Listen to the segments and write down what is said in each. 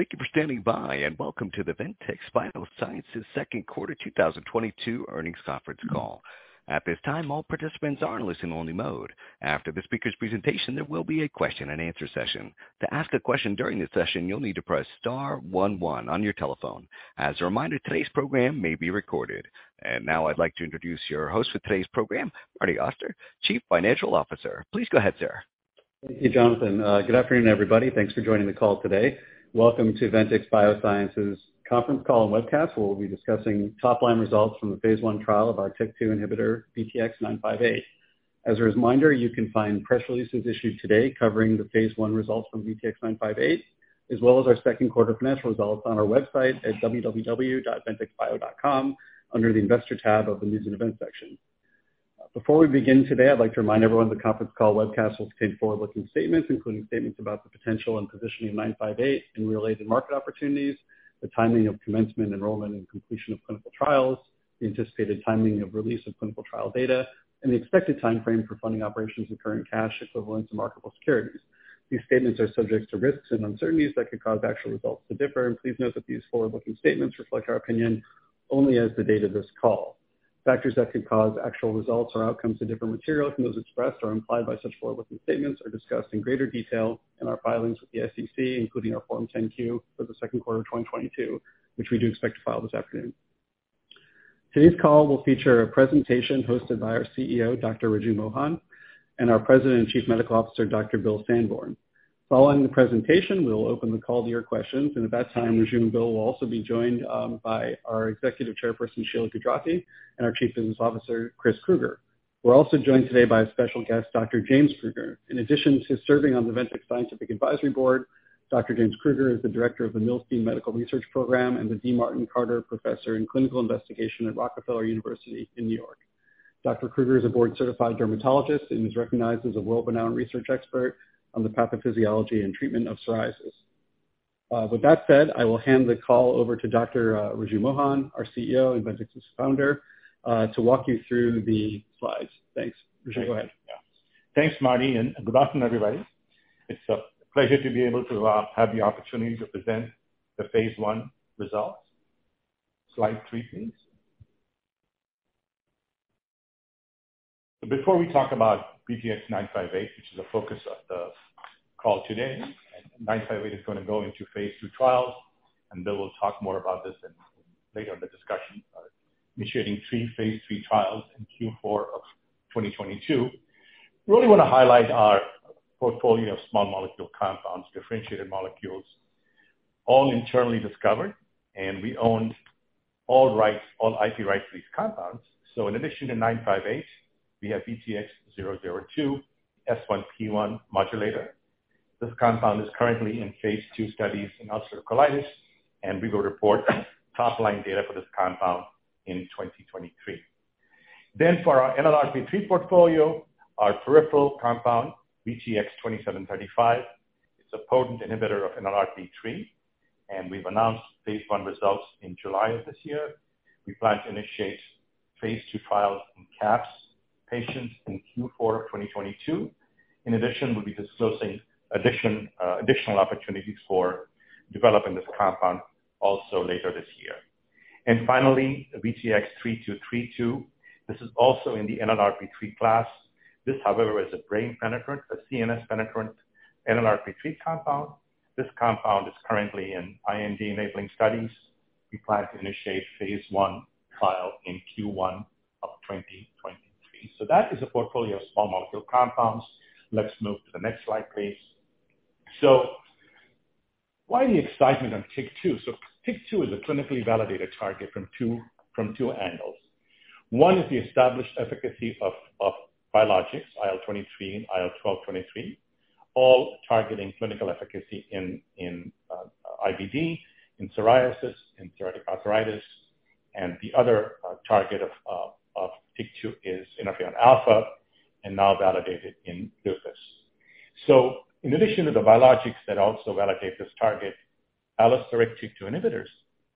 Thank you for standing by, and welcome to the Ventyx Biosciences second quarter 2022 earnings conference call. At this time, all participants are in listen only mode. After the speaker's presentation, there will be a question and answer session. To ask a question during this session, you'll need to press star one one on your telephone. As a reminder, today's program may be recorded. Now I'd like to introduce your host for today's program, Martin Auster, Chief Financial Officer. Please go ahead, sir. Thank you, Jonathan. Good afternoon, everybody. Thanks for joining the call today. Welcome to Ventyx Biosciences conference call and webcast, where we'll be discussing top-line results from the phase 1 trial of our TYK2 inhibitor, VTX958. As a reminder, you can find press releases issued today covering the phase 1 results from VTX958, as well as our second quarter financial results on our website at www.ventyxbio.com under the Investor tab of the News and Events section. Before we begin today, I'd like to remind everyone the conference call webcast will contain forward-looking statements, including statements about the potential and positioning 958 and related market opportunities, the timing of commencement, enrollment, and completion of clinical trials, the anticipated timing of release of clinical trial data, and the expected timeframe for funding operations in current cash equivalents and marketable securities. These statements are subject to risks and uncertainties that could cause actual results to differ, and please note that these forward-looking statements reflect our opinion only as the date of this call. Factors that could cause actual results or outcomes to differ materially from those expressed or implied by such forward-looking statements are discussed in greater detail in our filings with the SEC, including our Form 10-Q for the second quarter of 2022, which we do expect to file this afternoon. Today's call will feature a presentation hosted by our CEO, Dr. Raju Mohan, and our President and Chief Medical Officer, Dr. Bill Sandborn. Following the presentation, we will open the call to your questions, and at that time, Raju and Bill will also be joined by our Executive Chairperson, Sheila Gujrathi, and our Chief Business Officer, Chris Krueger. We're also joined today by a special guest, Dr.James Krueger. In addition to serving on the Ventyx Scientific Advisory Board, Dr. James Krueger is the director of the Milstein Medical Research Program and the D. Martin Carter Professor in Clinical Investigation at The Rockefeller University in New York. Dr. Krueger is a board-certified dermatologist and is recognized as a world-renowned research expert on the pathophysiology and treatment of psoriasis. With that said, I will hand the call over to Dr. Raju Mohan, our CEO and Ventyx's founder, to walk you through the slides. Thanks. Raju, go ahead. Thanks, Marty, and good afternoon, everybody. It's a pleasure to be able to have the opportunity to present the phase 1 results. Slide 3, please. Before we talk about VTX958, which is the focus of the call today, 958 is gonna go into phase 2 trials, and Bill will talk more about this later in the discussion, initiating three phase 3 trials in Q4 of 2022. We only wanna highlight our portfolio of small molecule compounds, differentiated molecules, all internally discovered, and we own all rights, all IP rights to these compounds. In addition to 958, we have VTX002 S1P1 modulator. This compound is currently in phase 2 studies in ulcerative colitis, and we will report top-line data for this compound in 2023. For our NLRP3 portfolio, our peripheral compound, VTX-2735, it's a potent inhibitor of NLRP3, and we've announced phase 1 results in July of this year. We plan to initiate phase 2 trials in CAPS patients in Q4 of 2022. In addition, we'll be disclosing additional opportunities for developing this compound also later this year. Finally, VTX-3232. This is also in the NLRP3 class. This, however, is a brain penetrant, a CNS penetrant NLRP3 compound. This compound is currently in IND-enabling studies. We plan to initiate phase 1 trial in Q1 of 2023. That is a portfolio of small molecule compounds. Let's move to the next slide, please. Why the excitement on TYK2? TYK2 is a clinically validated target from two angles. One is the established efficacy of biologics, IL-23 and IL-12/23, all targeting clinical efficacy in IBD, in psoriasis, in arthritis. The other target of TYK2 is interferon alpha and now validated in lupus. In addition to the biologics that also validate this target, allosteric TYK2 inhibitors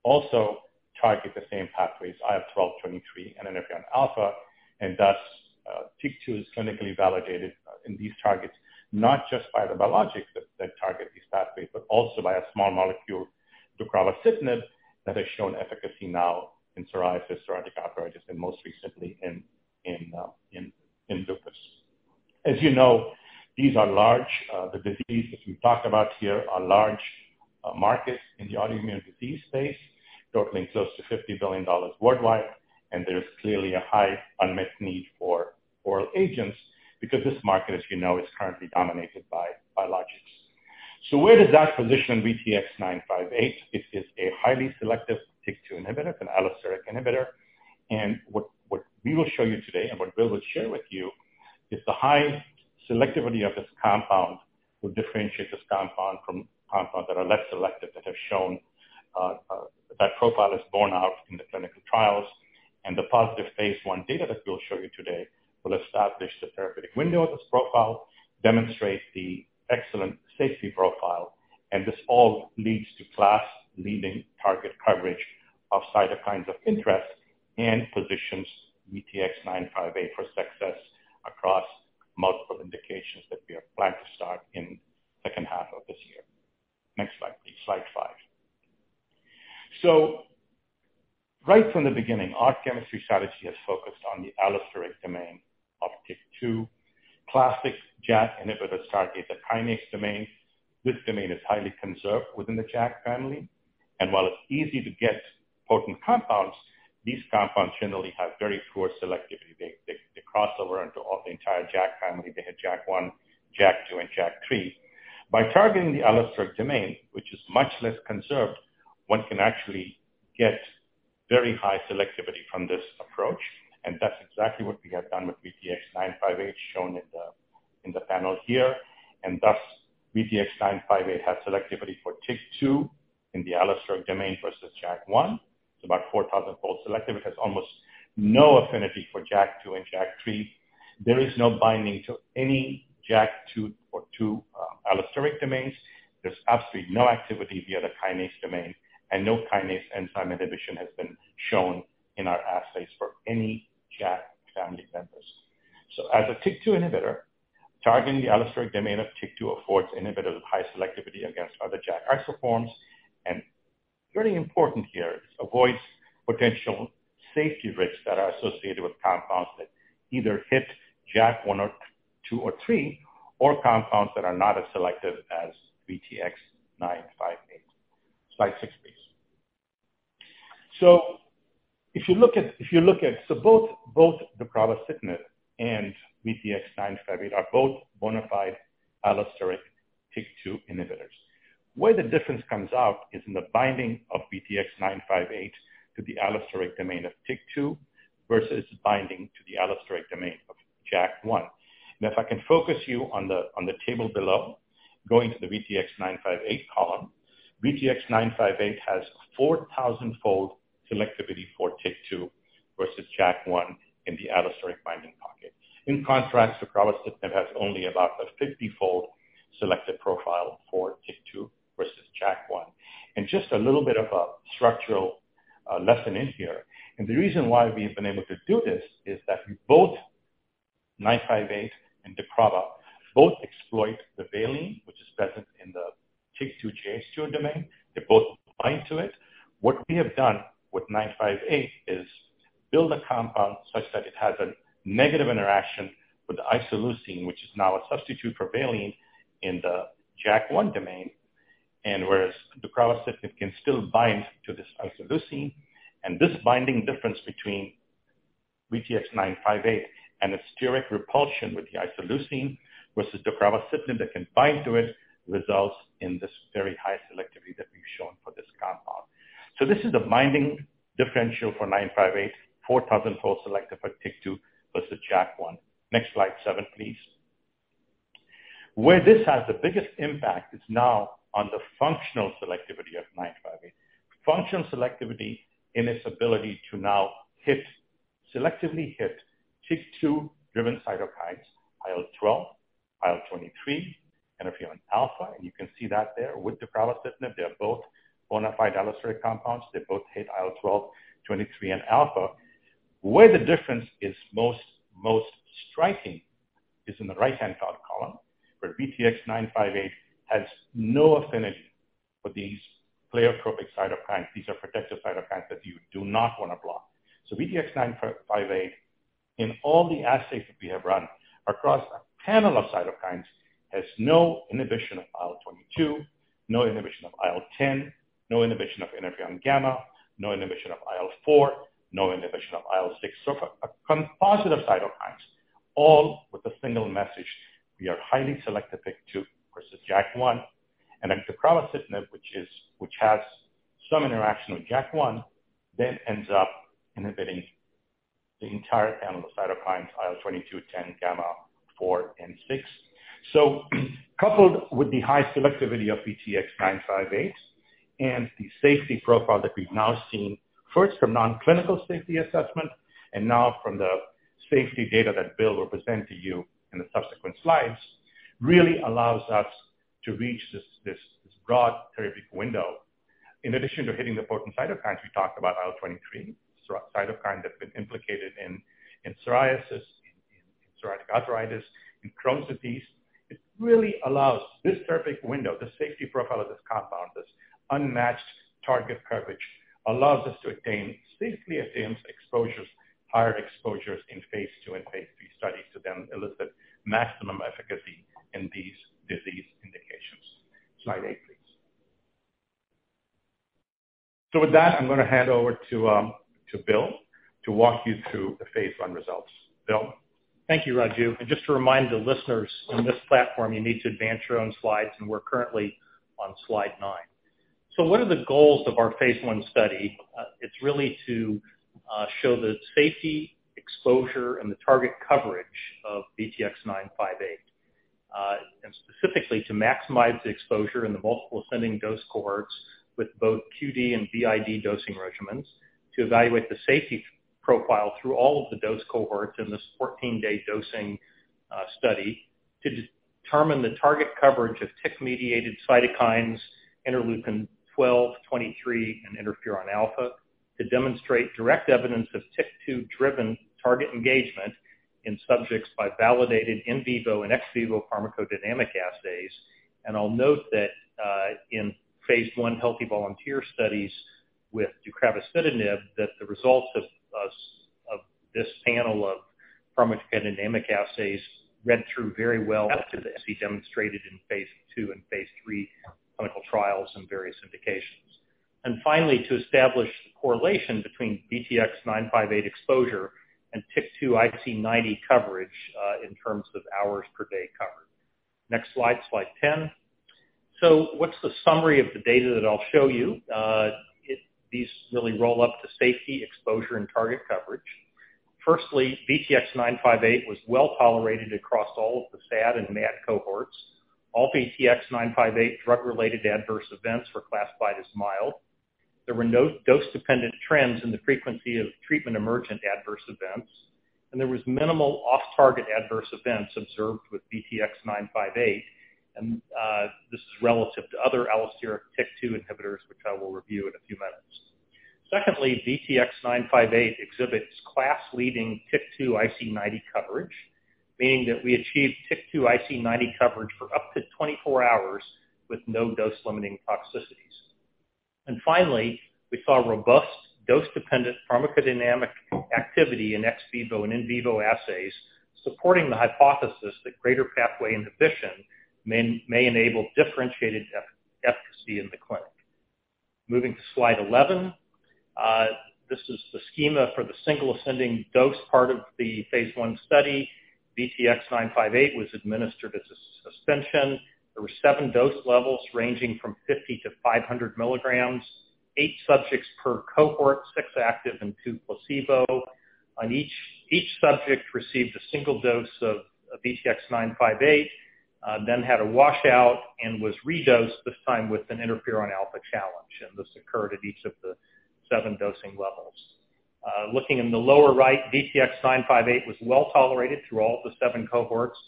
also target the same pathways, IL-12/23 and interferon alpha, and thus, TYK2 is clinically validated in these targets, not just by the biologics that target these pathways, but also by a small molecule, baricitinib, that has shown efficacy now in psoriasis, psoriatic arthritis, and most recently in lupus. As you know, these are large, the diseases we talked about here are large markets in the autoimmune disease space, totaling close to $50 billion worldwide. There's clearly a high unmet need for oral agents because this market, as you know, is currently dominated by biologics. Where does that position VTX958? It is a highly selective TYK2 inhibitor, an allosteric inhibitor. What we will show you today, and what Bill will share with you, is the high selectivity of this compound will differentiate this compound from compounds that are less selective that have shown that profile is borne out in the clinical trials. The positive phase 1 data that we'll show you today will establish the therapeutic window of this profile, demonstrate the excellent safety profile, and this all leads to class-leading target coverage of cytokines of interest and positions VTX958 for success across multiple indications that we have planned to start in second half of this year. Next slide, please. Slide 5. Right from the beginning, our chemistry strategy has focused on the allosteric domain of TYK2. Classic JAK inhibitors target the kinase domain. This domain is highly conserved within the JAK family, and while it's easy to get potent compounds, these compounds generally have very poor selectivity. They cross over into all the entire JAK family. They hit JAK1, JAK2, and JAK3. By targeting the allosteric domain, which is much less conserved, one can actually get very high selectivity from this approach, and that's exactly what we have done with VTX958, shown in the panel here. Thus, VTX958 has selectivity for TYK2 in the allosteric domain versus JAK1. It's about 4,000-fold selective. It has almost no affinity for JAK2 and JAK3. There is no binding to any JAK2 or two allosteric domains. There's absolutely no activity via the kinase domain, and no kinase enzyme inhibition has been shown in our assays for any JAK family members. So as a TYK2 inhibitor, targeting the allosteric domain of TYK2 affords inhibitors high selectivity against other JAK isoforms. Really important here, it avoids potential safety risks that are associated with compounds that either hit JAK1 or JAK2 or JAK3, or compounds that are not as selective as VTX958. Slide six, please. So both deucravacitinib and VTX958 are both bona fide allosteric TYK2 inhibitors. Where the difference comes out is in the binding of VTX958 to the allosteric domain of TYK2 versus binding to the allosteric domain of JAK1. If I can focus you on the table below, going to the VTX958 column, VTX958 has 4,000-fold selectivity for TYK2 versus JAK1 in the allosteric binding pocket. In contrast, deucravacitinib has only about a 50-fold selective profile for TYK2 versus JAK1. Just a little bit of a structural lesson in here, and the reason why we've been able to do this is that VTX958 and deucravacitinib both exploit the valine, which is present in the TYK2 JH2 domain. They both bind to it. What we have done with VTX958 is build a compound such that it has a negative interaction with the isoleucine, which is now a substitute for valine in the JAK1 domain, and whereas deucravacitinib can still bind to this isoleucine. This binding difference between VTX958 and the steric repulsion with the isoleucine versus deucravacitinib that can bind to it, results in this very high selectivity that we've shown for this compound. This is the binding differential for VTX958, 4,000-fold selective for TYK2 versus JAK1. Next slide, seven, please. This has the biggest impact is now on the functional selectivity of VTX958. Functional selectivity in its ability to now hit, selectively hit TYK2-driven cytokines, IL-12, IL-23, interferon alpha. You can see that there with deucravacitinib, they're both bona fide allosteric compounds. They both hit IL-12, 23, and alpha. The difference is most striking is in the right-hand side column, where VTX958 has no affinity for these pleiotropic cytokines. These are protective cytokines that you do not wanna block. VTX958, in all the assays that we have run across a panel of cytokines, has no inhibition of IL-22, no inhibition of IL-10, no inhibition of interferon gamma, no inhibition of IL-4, no inhibition of IL-6. A composite of cytokines, all with a single message, we are highly selective TYK2 versus JAK1. DapraSipnil, which has some interaction with JAK1, then ends up inhibiting the entire panel of cytokines, IL-22, 10, gamma, 4, and 6. Coupled with the high selectivity of VTX958 and the safety profile that we've now seen, first from non-clinical safety assessment and now from the safety data that Bill will present to you in the subsequent slides, really allows us to reach this broad therapeutic window. In addition to hitting the potent cytokines, we talked about IL-23, cytokine that's been implicated in psoriasis, in psoriatic arthritis, in Crohn's disease. It really allows this therapeutic window, the safety profile of this compound, this unmatched target coverage, allows us to safely obtain exposures, higher exposures in phase 2 and phase 3 studies to then elicit maximum efficacy in these disease indications. Slide 8, please. With that, I'm gonna hand over to Bill to walk you through the phase 1 results. Bill? Thank you, Raju. Just to remind the listeners, in this platform you need to advance your own slides, and we're currently on slide 9. What are the goals of our phase 1 study? It's really to show the safety, exposure, and the target coverage of VTX958. Specifically to maximize the exposure in the multiple ascending dose cohorts with both QD and BID dosing regimens. To evaluate the safety profile through all of the dose cohorts in this 14-day dosing study to determine the target coverage of TYK2-mediated cytokines interleukin 12, 23, and interferon alpha to demonstrate direct evidence of TYK2-driven target engagement in subjects by validated in vivo and ex vivo pharmacodynamic assays. I'll note that in phase 1 healthy volunteer studies with deucravacitinib, that the results of this panel of pharmacodynamic assays read through very well demonstrated in phase 2 and phase 3 clinical trials and various indications. Finally, to establish the correlation between VTX958 exposure and TYK2 IC90 coverage in terms of hours per day covered. Next slide 10. So what's the summary of the data that I'll show you? These really roll up to safety, exposure, and target coverage. Firstly, VTX958 was well-tolerated across all of the SAD and MAD cohorts. All VTX958 drug-related adverse events were classified as mild. There were no dose-dependent trends in the frequency of treatment emergent adverse events. There was minimal off-target adverse events observed with VTX958, and this is relative to other allosteric TYK2 inhibitors, which I will review in a few minutes. Secondly, VTX958 exhibits class-leading TYK2 IC90 coverage, meaning that we achieved TYK2 IC90 coverage for up to 24 hours with no dose-limiting toxicities. Finally, we saw robust dose-dependent pharmacodynamic activity in ex vivo and in vivo assays, supporting the hypothesis that greater pathway inhibition may enable differentiated efficacy in the clinic. Moving to slide 11. This is the schema for the single ascending dose part of the phase 1 study. VTX958 was administered as a suspension. There were seven dose levels ranging from 50 to 500 milligrams, eight subjects per cohort, six active and two placebo. Each subject received a single dose of VTX958, then had a washout and was redosed, this time with an interferon alpha challenge, and this occurred at each of the 7 dosing levels. Looking in the lower right, VTX958 was well-tolerated through all of the 7 cohorts.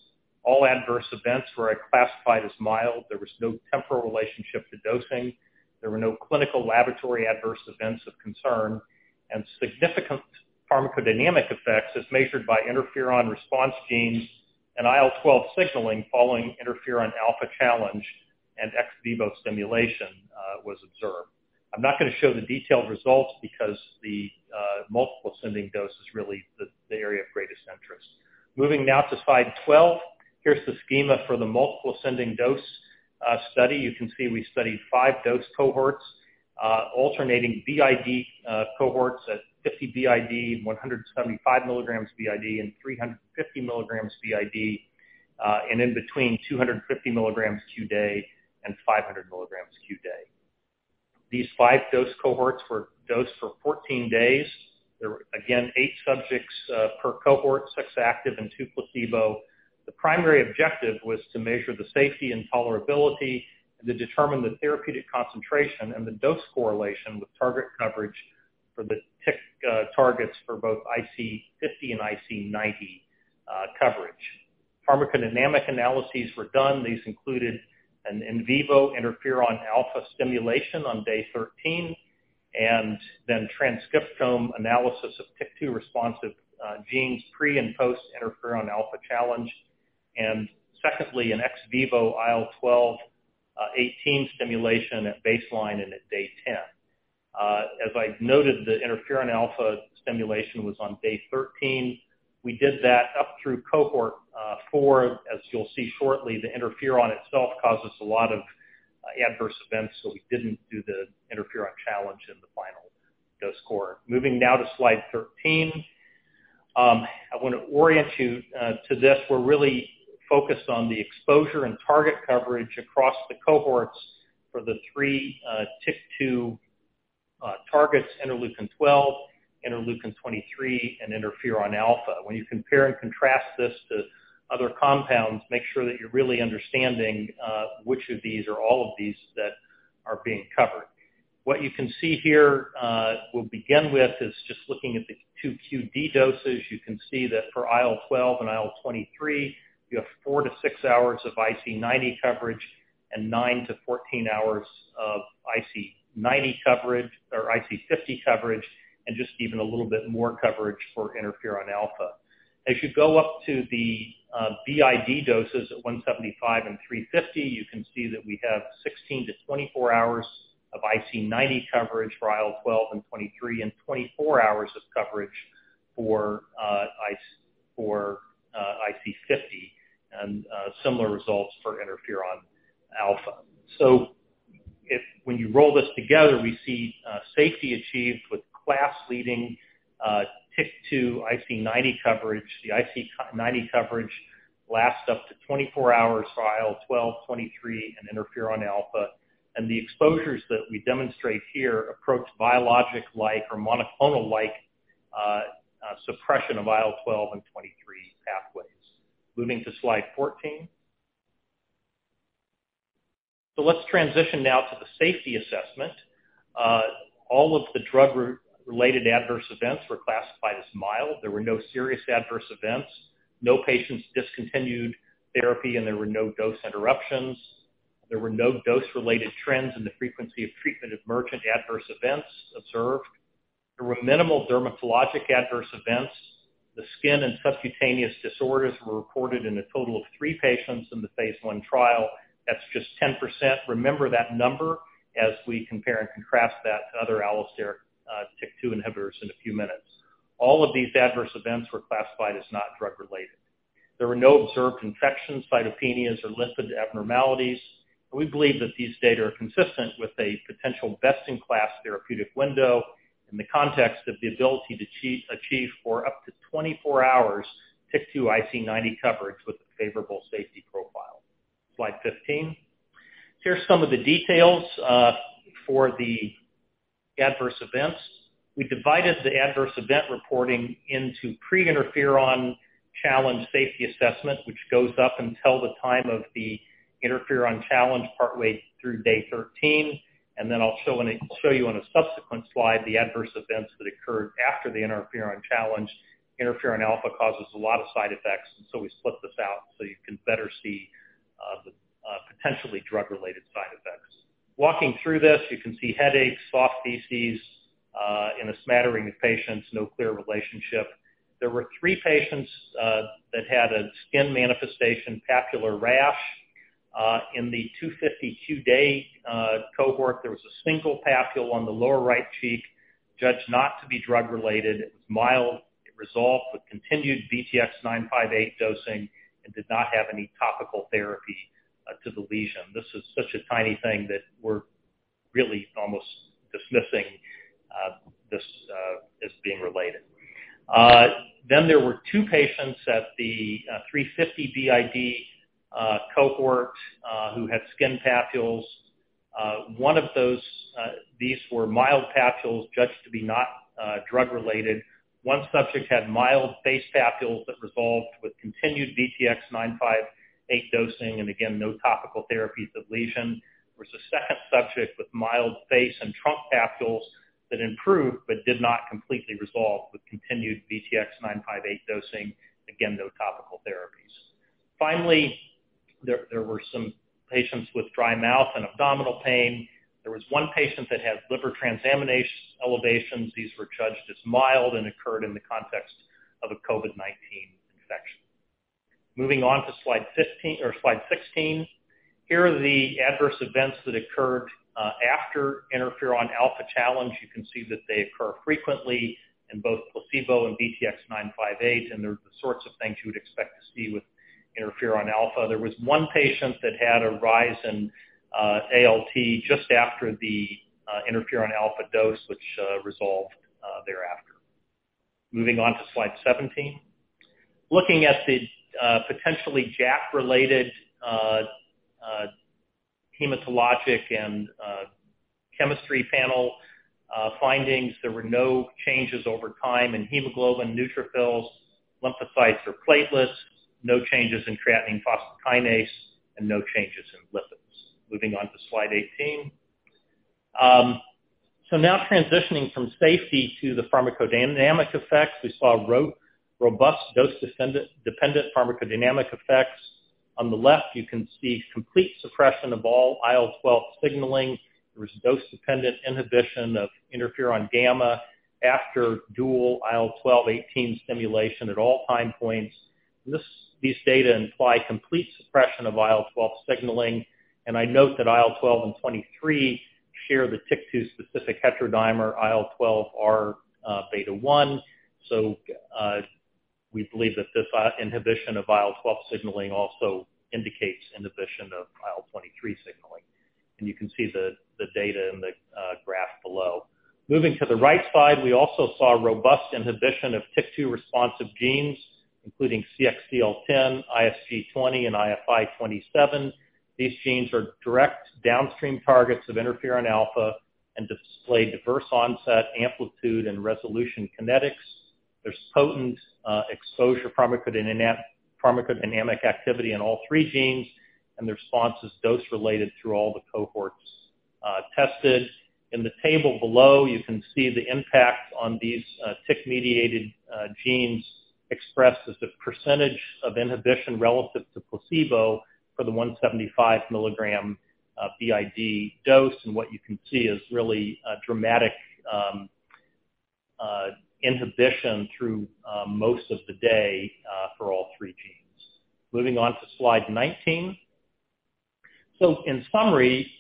All adverse events were classified as mild. There was no temporal relationship to dosing. There were no clinical laboratory adverse events of concern. Significant pharmacodynamic effects, as measured by interferon response genes and IL-12 signaling following interferon alpha challenge and ex vivo stimulation, was observed. I'm not gonna show the detailed results because the multiple ascending dose is really the area of greatest interest. Moving now to slide 12. Here's the schema for the multiple ascending dose study. You can see we studied five dose cohorts, alternating BID cohorts at 50 BID, 175 milligrams BID, and 350 milligrams BID, and in between 250 milligrams qday and 500 milligrams qday. These five dose cohorts were dosed for 14 days. There were again eight subjects per cohort, six active and two placebo. The primary objective was to measure the safety and tolerability and to determine the therapeutic concentration and the dose correlation with target coverage for the TYK2 targets for both IC50 and IC90 coverage. Pharmacodynamic analyses were done. These included an in vivo interferon alpha stimulation on day 13 and then transcriptome analysis of TYK2-responsive genes pre- and post-interferon alpha challenge and secondly, an ex vivo IL-12/23 stimulation at baseline and at day 10. As I noted, the interferon alpha stimulation was on day 13. We did that up through cohort 4. As you'll see shortly, the interferon itself causes a lot of adverse events, so we didn't do the interferon challenge in the final dose cohort. Moving now to slide 13. I wanna orient you to this. We're really focused on the exposure and target coverage across the cohorts for the three TYK2 targets, interleukin 12, interleukin 23, and interferon alpha. When you compare and contrast this to other compounds, make sure that you're really understanding which of these or all of these that are being covered. What you can see here, we'll begin with, is just looking at the two QD doses. You can see that for IL-12 and IL-23, you have 4-6 hours of IC90 coverage and 9-14 hours of IC90 coverage or IC50 coverage and just even a little bit more coverage for interferon alpha. As you go up to the BID doses at 175 and 350, you can see that we have 16-24 hours of IC90 coverage for IL-12 and IL-23 and 24 hours of coverage for IC50 and similar results for interferon alpha. When you roll this together, we see safety achieved with class-leading TYK2 IC90 coverage. The IC90 coverage lasts up to 24 hours for IL-12, IL-23, and interferon alpha. The exposures that we demonstrate here approach biologic-like or monoclonal-like suppression of IL-12 and IL-23 pathways. Moving to slide 14. Let's transition now to the safety assessment. All of the drug-related adverse events were classified as mild. There were no serious adverse events. No patients discontinued therapy, and there were no dose interruptions. There were no dose-related trends in the frequency of treatment emergent adverse events observed. There were minimal dermatologic adverse events. The skin and subcutaneous disorders were reported in a total of 3 patients in the phase 1 trial. That's just 10%. Remember that number as we compare and contrast that to other allosteric TYK2 inhibitors in a few minutes. All of these adverse events were classified as not drug-related. There were no observed infections, cytopenias, or lipid abnormalities. We believe that these data are consistent with a potential best-in-class therapeutic window in the context of the ability to achieve for up to 24 hours TYK2 IC90 coverage with a favorable safety profile. Slide 15. Here's some of the details for the adverse events. We divided the adverse event reporting into pre-interferon challenge safety assessment, which goes up until the time of the interferon challenge partway through day 13. I'll show you on a subsequent slide the adverse events that occurred after the interferon challenge. Interferon alpha causes a lot of side effects, and so we split this out so you can better see the potentially drug-related side effects. Walking through this, you can see headaches, soft feces in a smattering of patients, no clear relationship. There were 3 patients that had a skin manifestation papular rash. In the 252-day cohort, there was a single papule on the lower right cheek judged not to be drug-related. It was mild. It resolved with continued VTX958 dosing and did not have any topical therapy to the lesion. This is such a tiny thing that we're really almost dismissing this as being related. There were two patients at the 350 BID cohort who had skin papules. One of those, these were mild papules judged to be not drug-related. One subject had mild face papules that resolved with continued VTX958 dosing, and again, no topical therapy to the lesion. There was a second subject with mild face and trunk papules that improved but did not completely resolve with continued VTX958 dosing. Again, no topical therapy. Finally, there were some patients with dry mouth and abdominal pain. There was one patient that had liver transaminase elevations. These were judged as mild and occurred in the context of a COVID-19 infection. Moving on to slide 15 or slide 16. Here are the adverse events that occurred after interferon alpha challenge. You can see that they occur frequently in both placebo and VTX958, and they're the sorts of things you would expect to see with interferon alpha. There was one patient that had a rise in ALT just after the interferon alpha dose, which resolved thereafter. Moving on to slide 17. Looking at the potentially JAK-related hematologic and chemistry panel findings, there were no changes over time in hemoglobin, neutrophils, lymphocytes, or platelets. No changes in creatinine phosphokinase and no changes in lipids. Moving on to slide 18. Now transitioning from safety to the pharmacodynamic effects. We saw robust dose-dependent pharmacodynamic effects. On the left, you can see complete suppression of all IL-12 signaling. There was dose-dependent inhibition of interferon gamma after dual IL-12/18 stimulation at all time points. These data imply complete suppression of IL-12 signaling, and I note that IL-12 and 23 share the TYK2 specific heterodimer IL-12Rβ1. We believe that this inhibition of IL-12 signaling also indicates inhibition of IL-23 signaling. You can see the data in the graph below. Moving to the right side, we also saw robust inhibition of TYK2 responsive genes, including CXCL10, ISG20, and IFI27. These genes are direct downstream targets of interferon alpha and display diverse onset amplitude and resolution kinetics. There's potent exposure pharmacodynamic activity in all three genes, and the response is dose-related through all the cohorts tested. In the table below, you can see the impact on these TYK-mediated genes expressed as the percentage of inhibition relative to placebo for the 175 milligram BID dose, and what you can see is really a dramatic inhibition through most of the day for all three genes. Moving on to slide 19. In summary,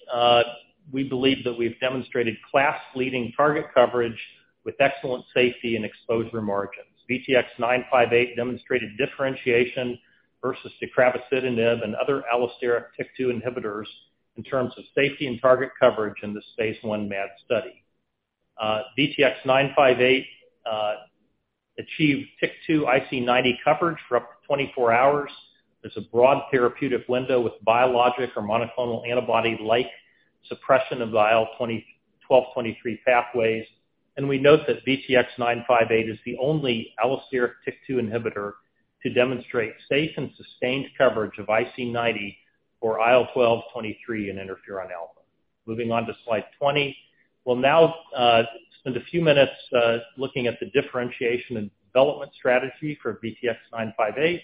we believe that we've demonstrated class-leading target coverage with excellent safety and exposure margins. VTX958 demonstrated differentiation versus tofacitinib and other allosteric TYK2 inhibitors in terms of safety and target coverage in this phase 1 MAD study. VTX958 achieved TYK2 IC90 coverage for up to 24 hours. There's a broad therapeutic window with biologic or monoclonal antibody-like suppression of the IL-20, 12/23 pathways. We note that VTX958 is the only allosteric TYK2 inhibitor to demonstrate safe and sustained coverage of IC90 for IL-12/23 in interferon alpha. Moving on to slide 20. We'll now spend a few minutes looking at the differentiation and development strategy for VTX958.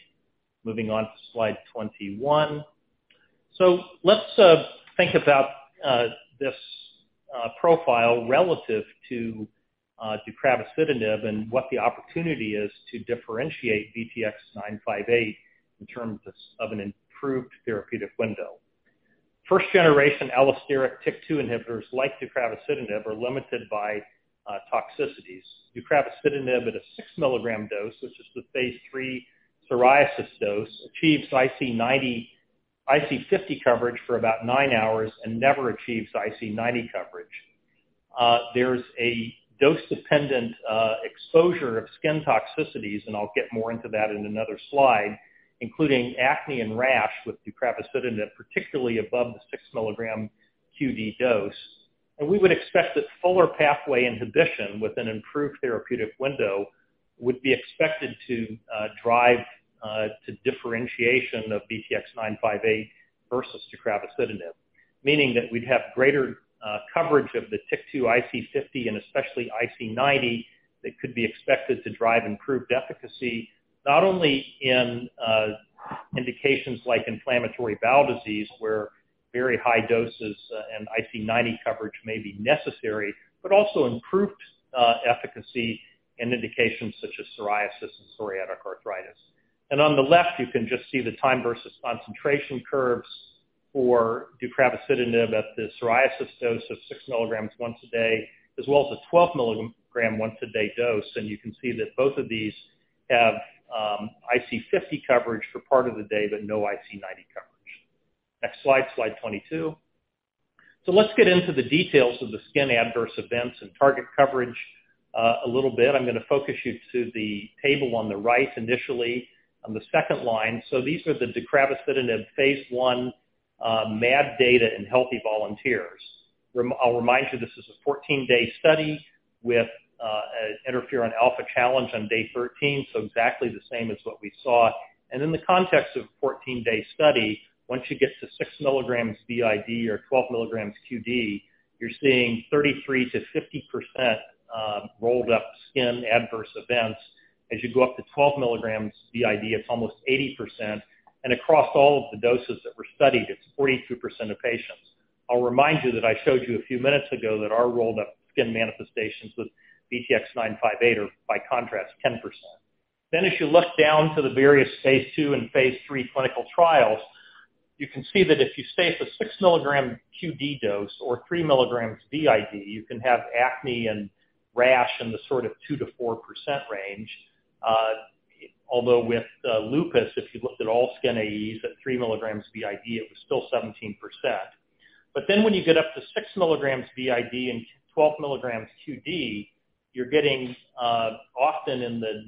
Moving on to slide 21. Let's think about this profile relative to deucravacitinib and what the opportunity is to differentiate VTX958 in terms of an improved therapeutic window. First generation allosteric TYK2 inhibitors like deucravacitinib are limited by toxicities. Deucravacitinib at a 6-milligram dose, which is the phase 3 psoriasis dose, achieves IC50 coverage for about 9 hours and never achieves IC90 coverage. There's a dose-dependent exposure of skin toxicities, and I'll get more into that in another slide, including acne and rash with deucravacitinib, particularly above the 6-milligram QD dose. We would expect that fuller pathway inhibition with an improved therapeutic window would be expected to drive to differentiation of VTX958 versus deucravacitinib, meaning that we'd have greater coverage of the TYK2 IC50, and especially IC90, that could be expected to drive improved efficacy, not only in indications like inflammatory bowel disease, where very high doses and IC90 coverage may be necessary, but also improved efficacy in indications such as psoriasis and psoriatic arthritis. On the left, you can just see the time versus concentration curves for deucravacitinib at the psoriasis dose of 6 milligrams once a day, as well as a 12-milligram once a day dose. You can see that both of these have IC50 coverage for part of the day, but no IC90 coverage. Next slide 22. Let's get into the details of the skin adverse events and target coverage a little bit. I'm gonna focus you to the table on the right initially on the second line. These are the deucravacitinib phase one MAD data in healthy volunteers. I'll remind you, this is a 14-day study with an interferon alpha challenge on day 13, so exactly the same as what we saw. In the context of a 14-day study, once you get to 6 milligrams BID or 12 milligrams QD, you're seeing 33%-50% rolled-up skin adverse events. As you go up to 12 milligrams BID, it's almost 80%. Across all of the doses that were studied, it's 42% of patients. I'll remind you that I showed you a few minutes ago that our rolled-up skin manifestations with VTX958 are, by contrast, 10%. As you look down to the various phase 2 and phase 3 clinical trials, you can see that if you stay at the 6-mg QD dose or 3 mg BID, you can have acne and rash in the sort of 2-4% range. Although with lupus, if you looked at all skin AEs at 3 mg BID, it was still 17%. When you get up to 6 mg BID and 12 mg QD, you're getting often in the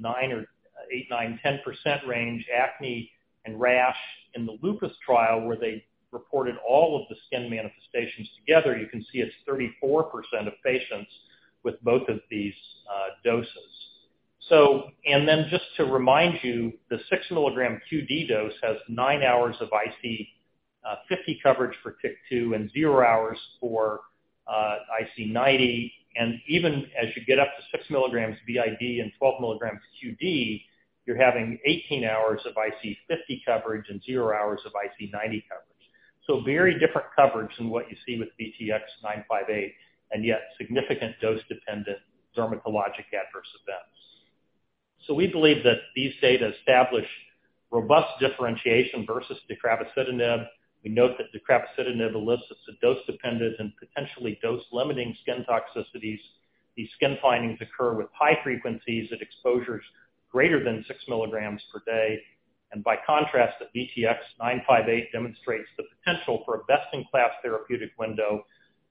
8, 9, 10% range, acne and rash. In the lupus trial, where they reported all of the skin manifestations together, you can see it's 34% of patients with both of these doses. Then just to remind you, the 6-mg QD dose has 9 hours of IC50 coverage for TYK2 and 0 hours for IC90. Even as you get up to 6 mg BID and 12 mg QD, you're having 18 hours of IC50 coverage and 0 hours of IC90 coverage. Very different coverage than what you see with VTX958, and yet significant dose-dependent dermatologic adverse events. We believe that these data establish robust differentiation versus deucravacitinib. We note that deucravacitinib elicits a dose-dependent and potentially dose-limiting skin toxicities. These skin findings occur with high frequencies at exposures greater than 6 mg per day. By contrast, that VTX958 demonstrates the potential for a best-in-class therapeutic window,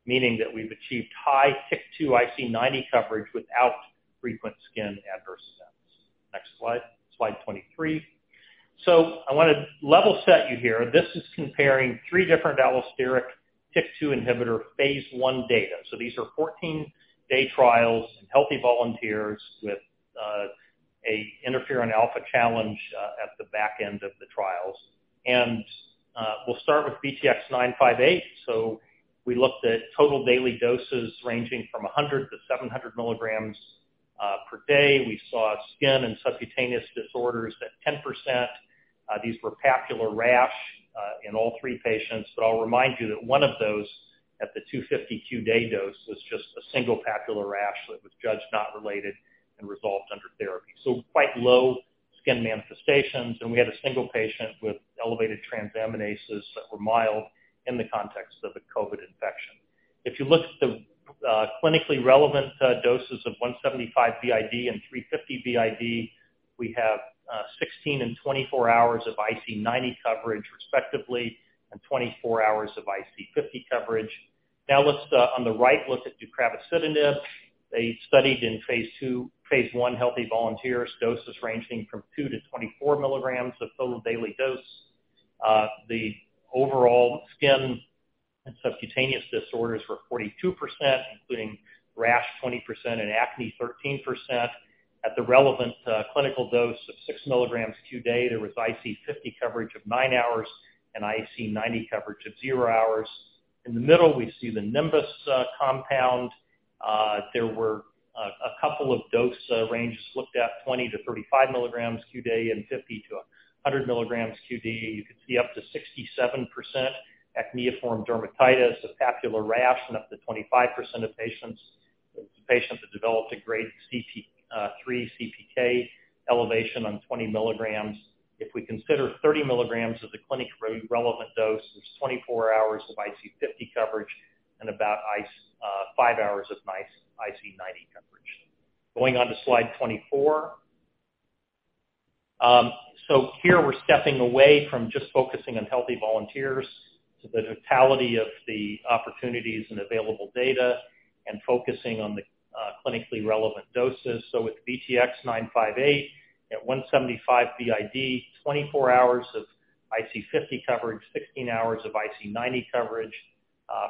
meaning that we've achieved high TYK2 IC90 coverage without frequent skin adverse events. Next slide 23. I wanna level set you here. This is comparing three different allosteric TYK2 inhibitor phase 1 data. These are 14-day trials in healthy volunteers with a interferon alpha challenge at the back end of the trials. We'll start with VTX958. We looked at total daily doses ranging from 100 to 700 milligrams per day. We saw skin and subcutaneous disorders at 10%. These were papular rash in all three patients. But I'll remind you that one of those at the 250 QD dose was just a single papular rash that was judged not related and resolved under therapy. Quite low skin manifestations. We had a single patient with elevated transaminases that were mild in the context of a COVID infection. If you look at the clinically relevant doses of 175 BID and 350 BID, we have 16 and 24 hours of IC90 coverage respectively, and 24 hours of IC50 coverage. Now let's, on the right, look at deucravacitinib. They studied in phase 1 healthy volunteers, doses ranging from 2 to 24 milligrams of total daily dose. The overall skin and subcutaneous disorders were 42%, including rash 20% and acne 13%. At the relevant clinical dose of 6 milligrams QD, there was IC50 coverage of 9 hours and IC90 coverage of 0 hours. In the middle, we see the Nimbus compound. There were a couple of dose ranges looked at, 20-35 milligrams QD and 50-100 milligrams QD. You could see up to 67% acneiform dermatitis, a papular rash, and up to 25% of patients that developed a grade 3 CPK elevation on 20 milligrams. If we consider 30 milligrams as the clinically relevant dose, there's 24 hours of IC50 coverage and about five hours of nice IC90 coverage. Going on to slide 24. Here we're stepping away from just focusing on healthy volunteers to the totality of the opportunities and available data and focusing on the clinically relevant doses. With VTX958, at 175 BID, 24 hours of IC50 coverage, 16 hours of IC90 coverage.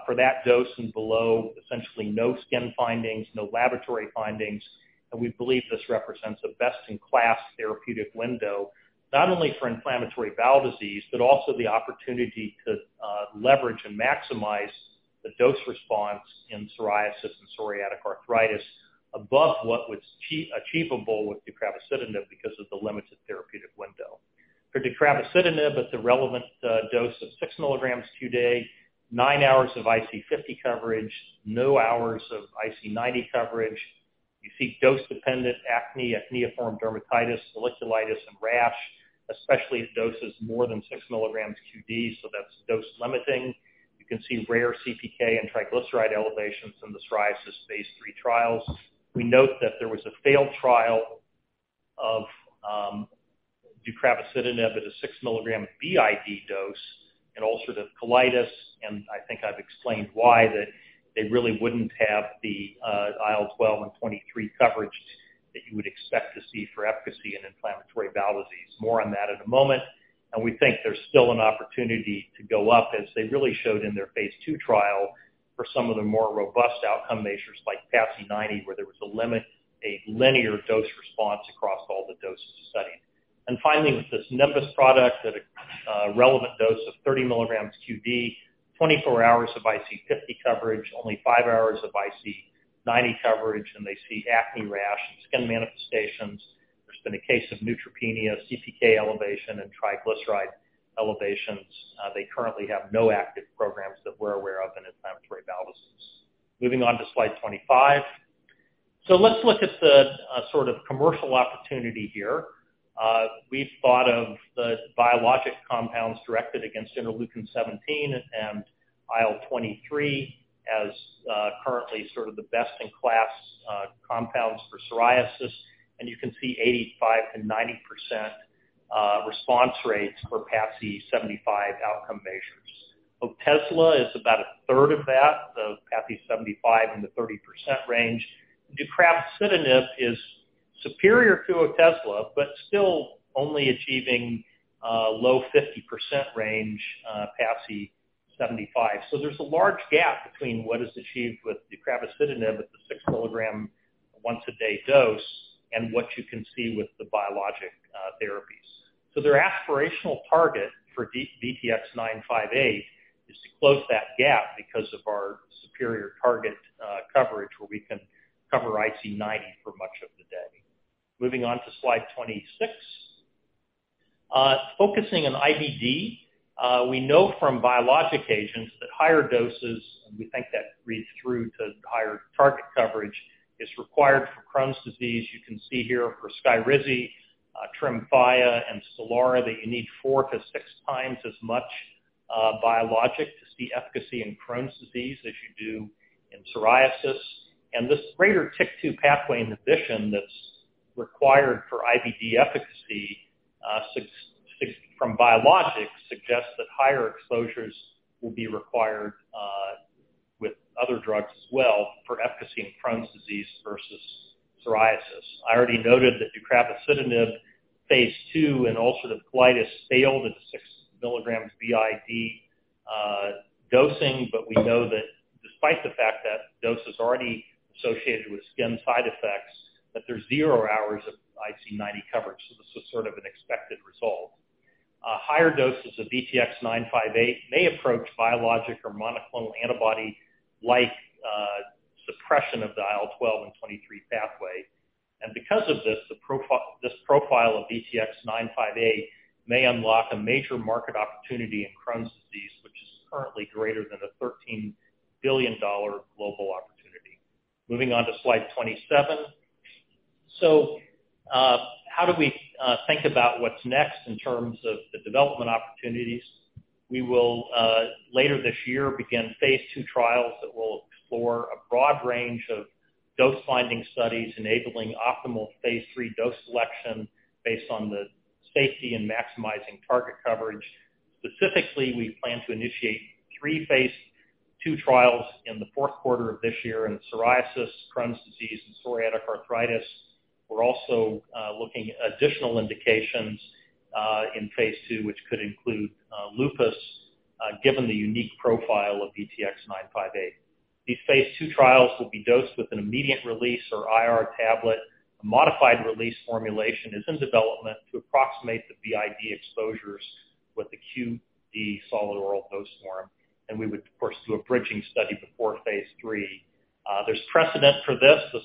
For that dose and below, essentially no skin findings, no laboratory findings. We believe this represents a best-in-class therapeutic window, not only for inflammatory bowel disease, but also the opportunity to leverage and maximize the dose response in psoriasis and psoriatic arthritis above what was achievable with deucravacitinib because of the limited therapeutic window. For deucravacitinib at the relevant dose of 6 mg QD, 9 hours of IC50 coverage, 0 hours of IC90 coverage. You see dose-dependent acne, acneiform dermatitis, folliculitis, and rash, especially at doses more than 6 mg QD, so that's dose-limiting. You can see rare CPK and triglyceride elevations in the psoriasis phase 3 trials. We note that there was a failed trial of deucravacitinib at a 6-mg BID dose in ulcerative colitis, and I think I've explained why they really wouldn't have the IL-12 and 23 coverage that you would expect to see for efficacy in inflammatory bowel disease. More on that in a moment. We think there's still an opportunity to go up as they really showed in their phase 2 trial for some of the more robust outcome measures like PASI 90, where there was a linear dose response across all the doses studied. Finally, with this Nimbus product at a relevant dose of 30 mg QD, 24 hours of IC50 coverage, only 5 hours of IC90 coverage, and they see acne rash and skin manifestations. There's been a case of neutropenia, CPK elevation, and triglyceride elevations. They currently have no active programs that we're aware of in inflammatory bowel disease. Moving on to slide 25. Let's look at the sort of commercial opportunity here. We've thought of the biologic compounds directed against interleukin 17 and IL-23 as currently sort of the best-in-class compounds for psoriasis. You can see 85%-90% response rates for PASI 75 outcome measures. Otezla is about a third of that, the PASI 75 in the 30% range. Deucravacitinib is superior to Otezla, but still only achieving a low 50% range, PASI 75. There's a large gap between what is achieved with deucravacitinib at the 6 mg once-a-day dose and what you can see with the biologic therapies. Their aspirational target for VTX958 is to close that gap because of our superior target coverage where we can cover IC90 for much of the day. Moving on to slide 26. Focusing on IBD, we know from biologic agents that higher doses, and we think that reads through to higher target coverage, is required for Crohn's disease. You can see here for Skyrizi, Tremfya, and Stelara that you need 4-6 times as much biologic to see efficacy in Crohn's disease as you do in psoriasis. This greater TYK2 pathway inhibition that's required for IBD efficacy, sixfold from biologics suggests that higher exposures will be required with other drugs as well for efficacy in Crohn's disease versus psoriasis. I already noted that deucravacitinib phase 2 in ulcerative colitis failed at the 6 milligrams BID dosing, but we know that despite the fact that dose is already associated with skin side effects, that there's 0 hours of IC90 coverage. This is sort of an expected result. Higher doses of VTX958 may approach biologic or monoclonal antibody-like suppression of the IL-12 and 23 pathway. Because of this profile of VTX958 may unlock a major market opportunity in Crohn's disease, which is currently greater than a $13 billion global opportunity. Moving on to slide 27. How do we think about what's next in terms of the development opportunities? We will later this year begin phase 2 trials that will explore a broad range of dose-finding studies, enabling optimal phase 3 dose selection based on the safety and maximizing target coverage. Specifically, we plan to initiate three phase 2 trials in the fourth quarter of this year in psoriasis, Crohn's disease, and psoriatic arthritis. We're also looking at additional indications in phase 2, which could include lupus, given the unique profile of VTX958. These phase 2 trials will be dosed with an immediate release or IR tablet. A modified-release formulation is in development to approximate the BID exposures with the QD solid oral dose form, and we would of course do a bridging study before phase 3. There's precedent for this. This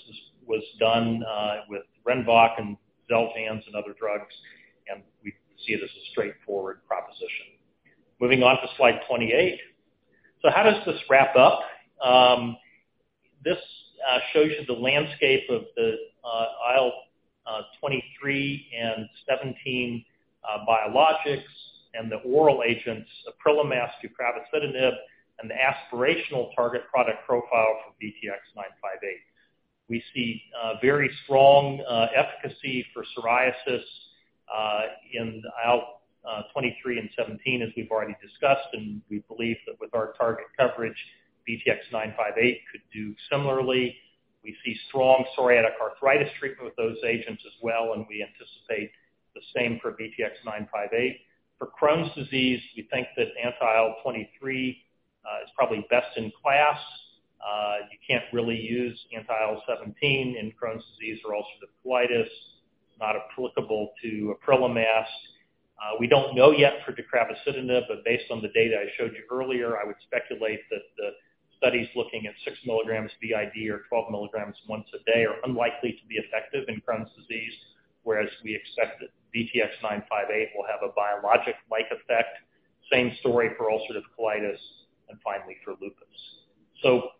was done with Rinvoq and Xeljanz and other drugs, and we see it as a straightforward proposition. Moving on to slide 28. How does this wrap up? This shows you the landscape of the IL-23 and IL-17 biologics, and the oral agents, apremilast, deucravacitinib, and the aspirational target product profile for VTX958. We see very strong efficacy for psoriasis in IL-23 and IL-17, as we've already discussed, and we believe that with our target coverage, VTX958 could do similarly. We see strong psoriatic arthritis treatment with those agents as well, and we anticipate the same for VTX958. For Crohn's disease, we think that anti-IL-23 is probably best in class. You can't really use anti-IL-17 in Crohn's disease or ulcerative colitis. It's not applicable to apremilast. We don't know yet for deucravacitinib, but based on the data I showed you earlier, I would speculate that the studies looking at 6 milligrams BID or 12 milligrams once a day are unlikely to be effective in Crohn's disease, whereas we expect that VTX958 will have a biologic-like effect. Same story for ulcerative colitis and finally for lupus.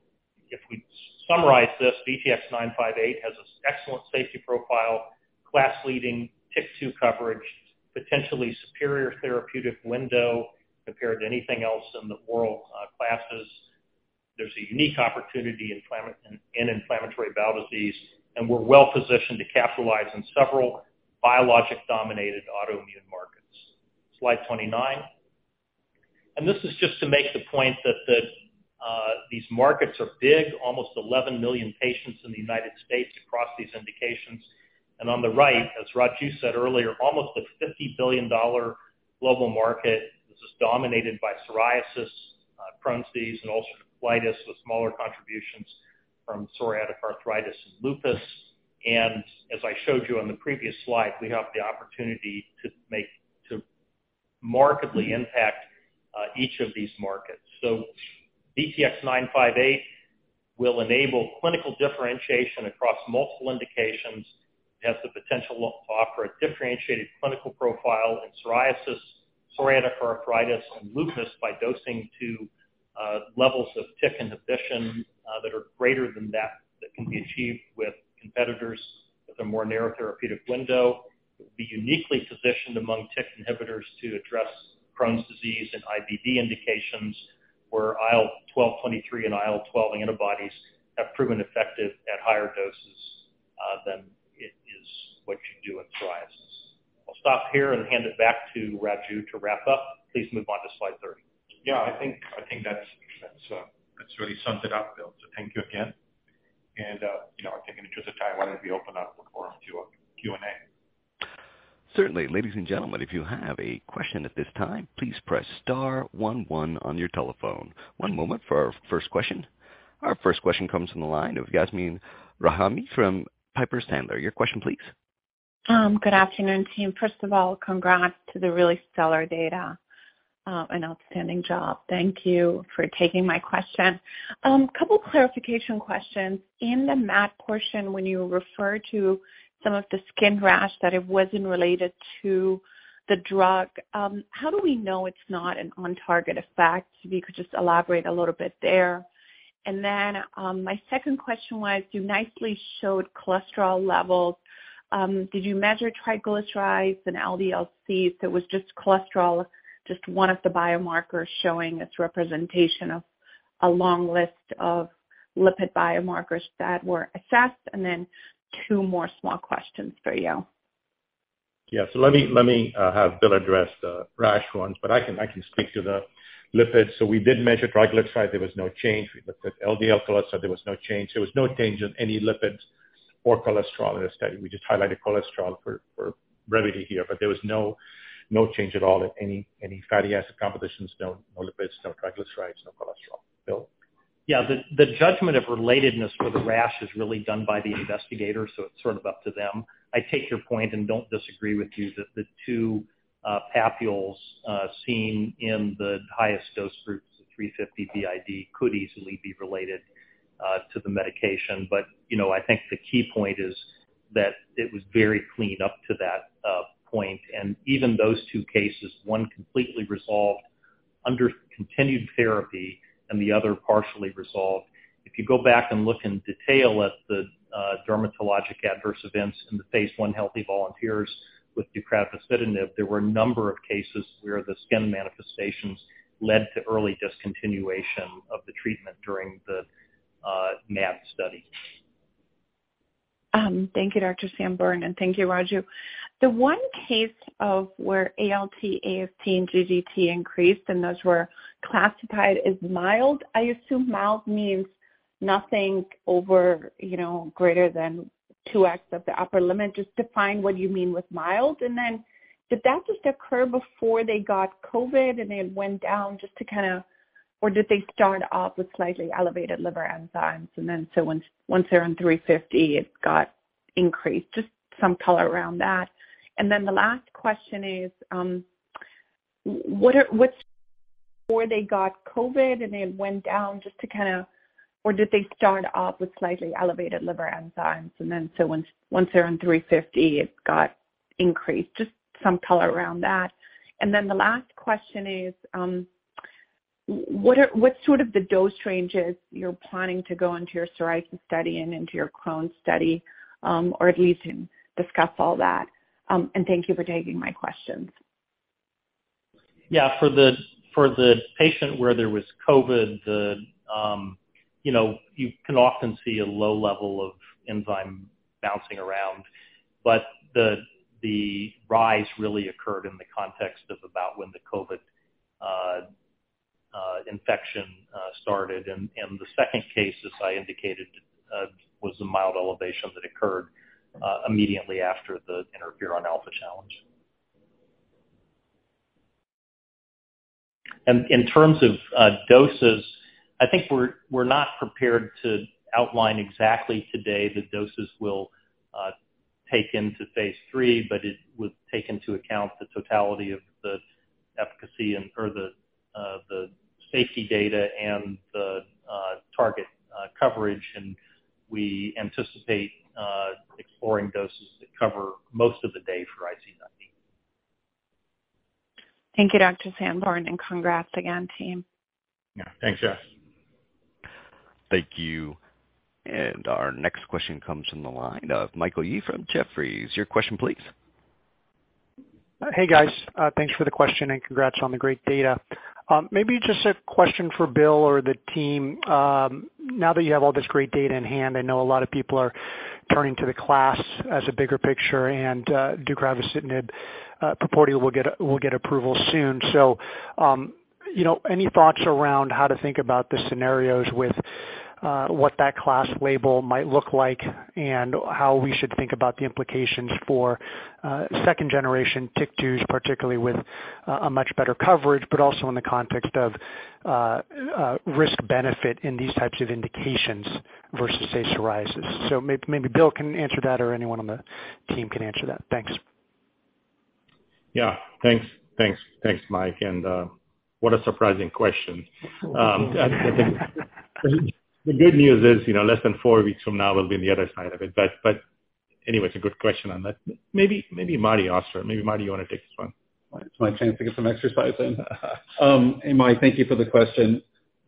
If we summarize this, VTX958 has this excellent safety profile, class-leading TYK2 coverage, potentially superior therapeutic window compared to anything else in the oral classes. There's a unique opportunity in inflammatory bowel disease, and we're well-positioned to capitalize on several biologic-dominated autoimmune markets. Slide 29. This is just to make the point that these markets are big, almost 11 million patients in the United States across these indications. On the right, as Raju said earlier, almost a $50 billion global market. This is dominated by psoriasis, Crohn's disease, and ulcerative colitis with smaller contributions from psoriatic arthritis and lupus. As I showed you on the previous slide, we have the opportunity to markedly impact each of these markets. VTX958 will enable clinical differentiation across multiple indications. It has the potential to offer a differentiated clinical profile in psoriasis, psoriatic arthritis, and lupus by dosing to levels of TYK inhibition that are greater than that that can be achieved with competitors with a more narrow therapeutic window. It would be uniquely positioned among TYK2 inhibitors to address Crohn's disease and IBD indications, where IL-12/23 and IL-12 antibodies have proven effective at higher doses than is what you do in psoriasis. I'll stop here and hand it back to Raju to wrap up. Please move on to slide 30. Yeah, I think that's that really sums it up, Bill. Thank you again. You know, I think in the interest of time, why don't we open up the forum to Q&A? Certainly. Ladies and gentlemen, if you have a question at this time, please press star one one on your telephone. One moment for our first question. Our first question comes from the line of Yasmeen Rahimi from Piper Sandler. Your question, please. Good afternoon, team. First of all, congrats to the really stellar data. An outstanding job. Thank you for taking my question. Couple clarification questions. In the MAD portion, when you refer to some of the skin rash that it wasn't related to the drug, how do we know it's not an on-target effect? If you could just elaborate a little bit there. My second question was, you nicely showed cholesterol levels. Did you measure triglycerides and LDL-C? If it was just cholesterol, just one of the biomarkers showing its representation of a long list of lipid biomarkers that were assessed? Two more small questions for you. Yeah. Let me have Bill address the rash ones, but I can speak to the lipids. We did measure triglycerides. There was no change. We looked at LDL cholesterol. There was no change. There was no change in any lipids or cholesterol in the study. We just highlighted cholesterol for brevity here, but there was no change at all in any fatty acid compositions. No lipids, no triglycerides, no cholesterol. Bill? Yeah. The judgment of relatedness for the rash is really done by the investigator, so it's sort of up to them. I take your point and don't disagree with you that the two papules seen in the highest dose groups, the 350 BID, could easily be related to the medication. You know, I think the key point is that it was very clean up to that point. Even those two cases, one completely resolved under continued therapy and the other partially resolved. If you go back and look in detail at the dermatologic adverse events in the phase 1 healthy volunteers with deucravacitinib, there were a number of cases where the skin manifestations led to early discontinuation of the treatment during the MAD study. Thank you, Dr. Sandborn, and thank you, Raju. The one case where ALT, AST, and GGT increased, and those were classified as mild. I assume mild means nothing over, you know, greater than 2x of the upper limit. Just define what you mean with mild. Did that just occur before they got COVID and it went down, or did they start off with slightly elevated liver enzymes and then once they're on 350, it got increased. Just some color around that. The last question is, what's sort of the dose ranges you're planning to go into your psoriasis study and into your Crohn's study, or at least discuss all that. Thank you for taking my questions. Yeah. For the patient where there was COVID, you know, you can often see a low level of enzyme bouncing around, but the rise really occurred in the context of about when the COVID infection started. The second case, as I indicated, was a mild elevation that occurred immediately after the interferon alpha challenge. In terms of doses, I think we're not prepared to outline exactly today the doses we'll take into phase 3, but it would take into account the totality of the efficacy and/or the safety data and the target coverage. We anticipate exploring doses that cover most of the day for IC90. Thank you, Dr. Sandborn, and congrats again, team. Yeah. Thanks, Yas. Thank you. Our next question comes from the line of Michael Yee from Jefferies. Your question, please. Hey, guys. Thanks for the question and congrats on the great data. Maybe just a question for Bill or the team. Now that you have all this great data in hand, I know a lot of people are turning to the class as a bigger picture, and, deucravacitinib purportedly will get approval soon. So, you know, any thoughts around how to think about the scenarios with, what that class label might look like and how we should think about the implications for, second generation TYK2s, particularly with a much better coverage, but also in the context of, risk benefit in these types of indications versus, say, psoriasis? Maybe Bill can answer that or anyone on the team can answer that. Thanks. Yeah. Thanks, Mike. What a surprising question. The good news is, you know, less than four weeks from now, we'll be on the other side of it. Anyways, a good question on that. Maybe Martin Auster. Maybe, Marty, you wanna take this one? It's my chance to get some exercise in. Hey, Mike, thank you for the question.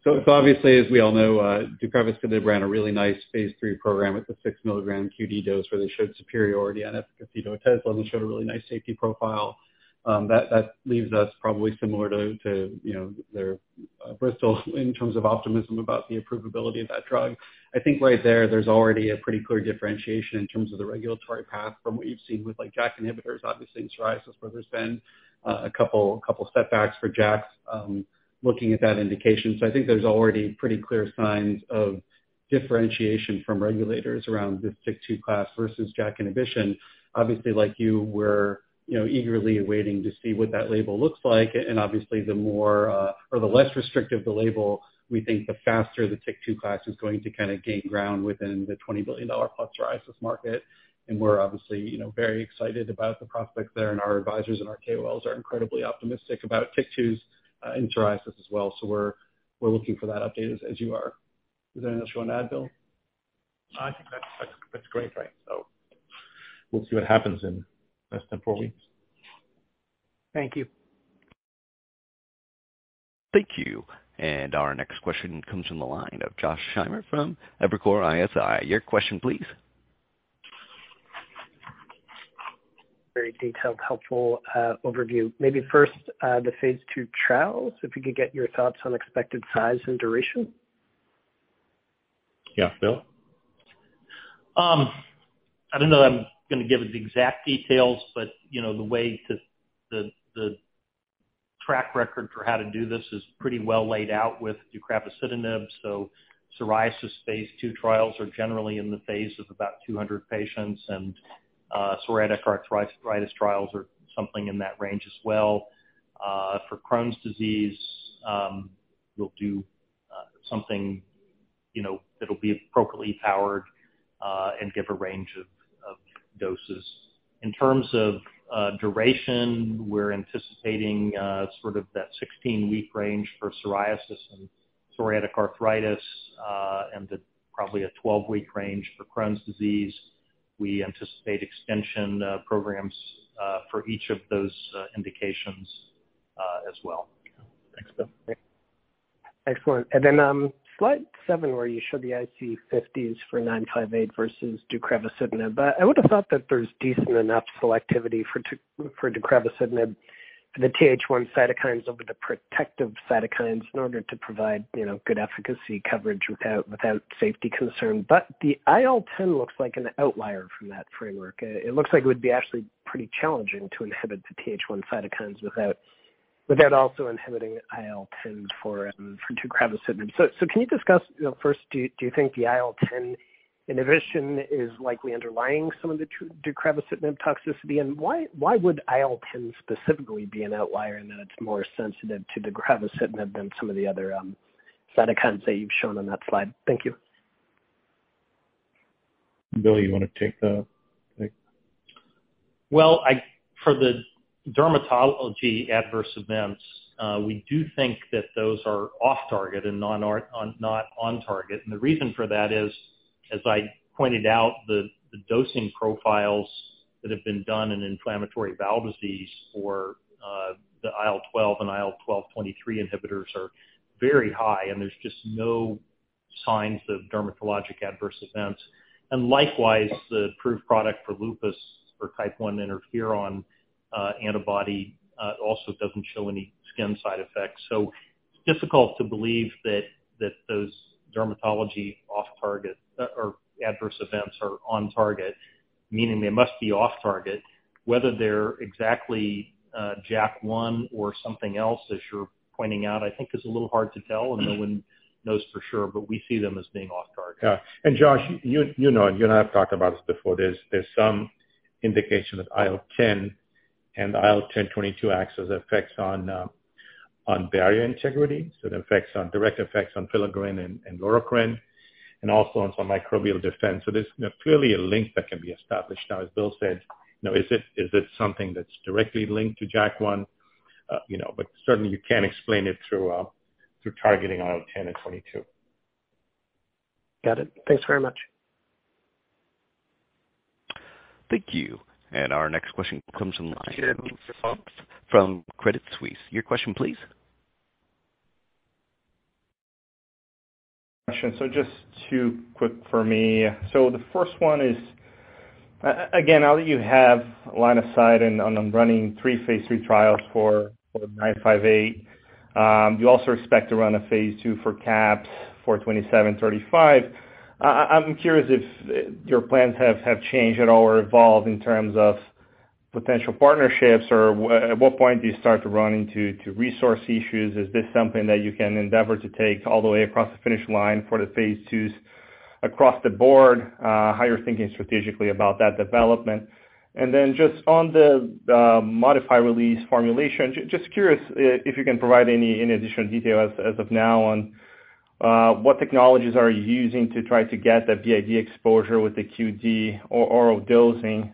It's obviously, as we all know, deucravacitinib ran a really nice phase 3 program with the 6-milligram QD dose where they showed superiority on efficacy to Otezla and showed a really nice safety profile. That leaves us probably similar to you know their Bristol in terms of optimism about the approvability of that drug. I think right there's already a pretty clear differentiation in terms of the regulatory path from what you've seen with, like, JAK inhibitors, obviously in psoriasis, where there's been a couple setbacks for JAKs looking at that indication. I think there's already pretty clear signs of differentiation from regulators around this TYK2 class versus JAK inhibition. Obviously, like you, we're, you know, eagerly waiting to see what that label looks like. Obviously the more, or the less restrictive the label, we think the faster the TYK2 class is going to kinda gain ground within the $20 billion-plus psoriasis market. We're obviously, you know, very excited about the prospects there, and our advisors and our KOLs are incredibly optimistic about TYK2s in psoriasis as well. We're looking for that update as you are. Is there anything else you wanna add, Bill? I think that's great, right? We'll see what happens in less than four weeks. Thank you. Thank you. Our next question comes from the line of Josh Schimmer from Evercore ISI. Your question, please. Very detailed, helpful overview. Maybe first, the phase 2 trials, if you could get your thoughts on expected size and duration. Yeah. Bill? I don't know that I'm gonna give the exact details, but you know, the track record for how to do this is pretty well laid out with deucravacitinib. Psoriasis phase 2 trials are generally in the phase of about 200 patients and psoriatic arthritis trials are something in that range as well. For Crohn's disease, we'll do something, you know, that'll be appropriately powered and give a range of doses. In terms of duration, we're anticipating sort of that 16-week range for psoriasis and psoriatic arthritis and probably a 12-week range for Crohn's disease. We anticipate extension programs for each of those indications as well. Thanks, Bill. Excellent. Then, slide seven, where you showed the IC50s for VTX958 versus deucravacitinib. I would've thought that there's decent enough selectivity for deucravacitinib. The Th1 cytokines over the protective cytokines in order to provide, you know, good efficacy coverage without safety concern. The IL-10 looks like an outlier from that framework. It looks like it would be actually pretty challenging to inhibit the Th1 cytokines without also inhibiting IL-10 for deucravacitinib. Can you discuss, you know, first, do you think the IL-10 inhibition is likely underlying some of the deucravacitinib toxicity? Why would IL-10 specifically be an outlier in that it's more sensitive to deucravacitinib than some of the other cytokines that you've shown on that slide? Thank you. Bill, you wanna take that? For the dermatology adverse events, we do think that those are off target and not on target. The reason for that is, as I pointed out, the dosing profiles that have been done in inflammatory bowel disease for the IL-12/23 inhibitors are very high, and there's just no signs of dermatologic adverse events. Likewise, the approved product for lupus, or type 1 interferon antibody, also doesn't show any skin side effects. It's difficult to believe that those dermatology off target or adverse events are on target, meaning they must be off target, whether they're exactly JAK1 or something else, as you're pointing out, I think is a little hard to tell, and no one knows for sure, but we see them as being off target. Yeah. Josh, you know, you and I have talked about this before. There's some indication that IL-10 and IL-22 act as effectors on barrier integrity, so direct effects on filaggrin and loricrin, and also on some microbial defense. There's clearly a link that can be established. Now, as Bill said, you know, is it something that's directly linked to JAK1? You know, but certainly you can explain it through targeting IL-10 and IL-22. Got it. Thanks very much. Thank you. Our next question comes in line. Appreciate it. Thanks for From Credit Suisse. Your question, please. Question. Just two quick ones for me. The first one is again, now that you have line of sight on running three phase 3 trials for VTX958, you also expect to run a phase 2 for CAPS, VTX2735. I'm curious if your plans have changed at all or evolved in terms of potential partnerships or at what point do you start to run into resource issues? Is this something that you can endeavor to take all the way across the finish line for the phase 2s across the board? How you're thinking strategically about that development? Just on the modified release formulation, just curious if you can provide any additional detail as of now on what technologies are you using to try to get that BID exposure with the QD or oral dosing,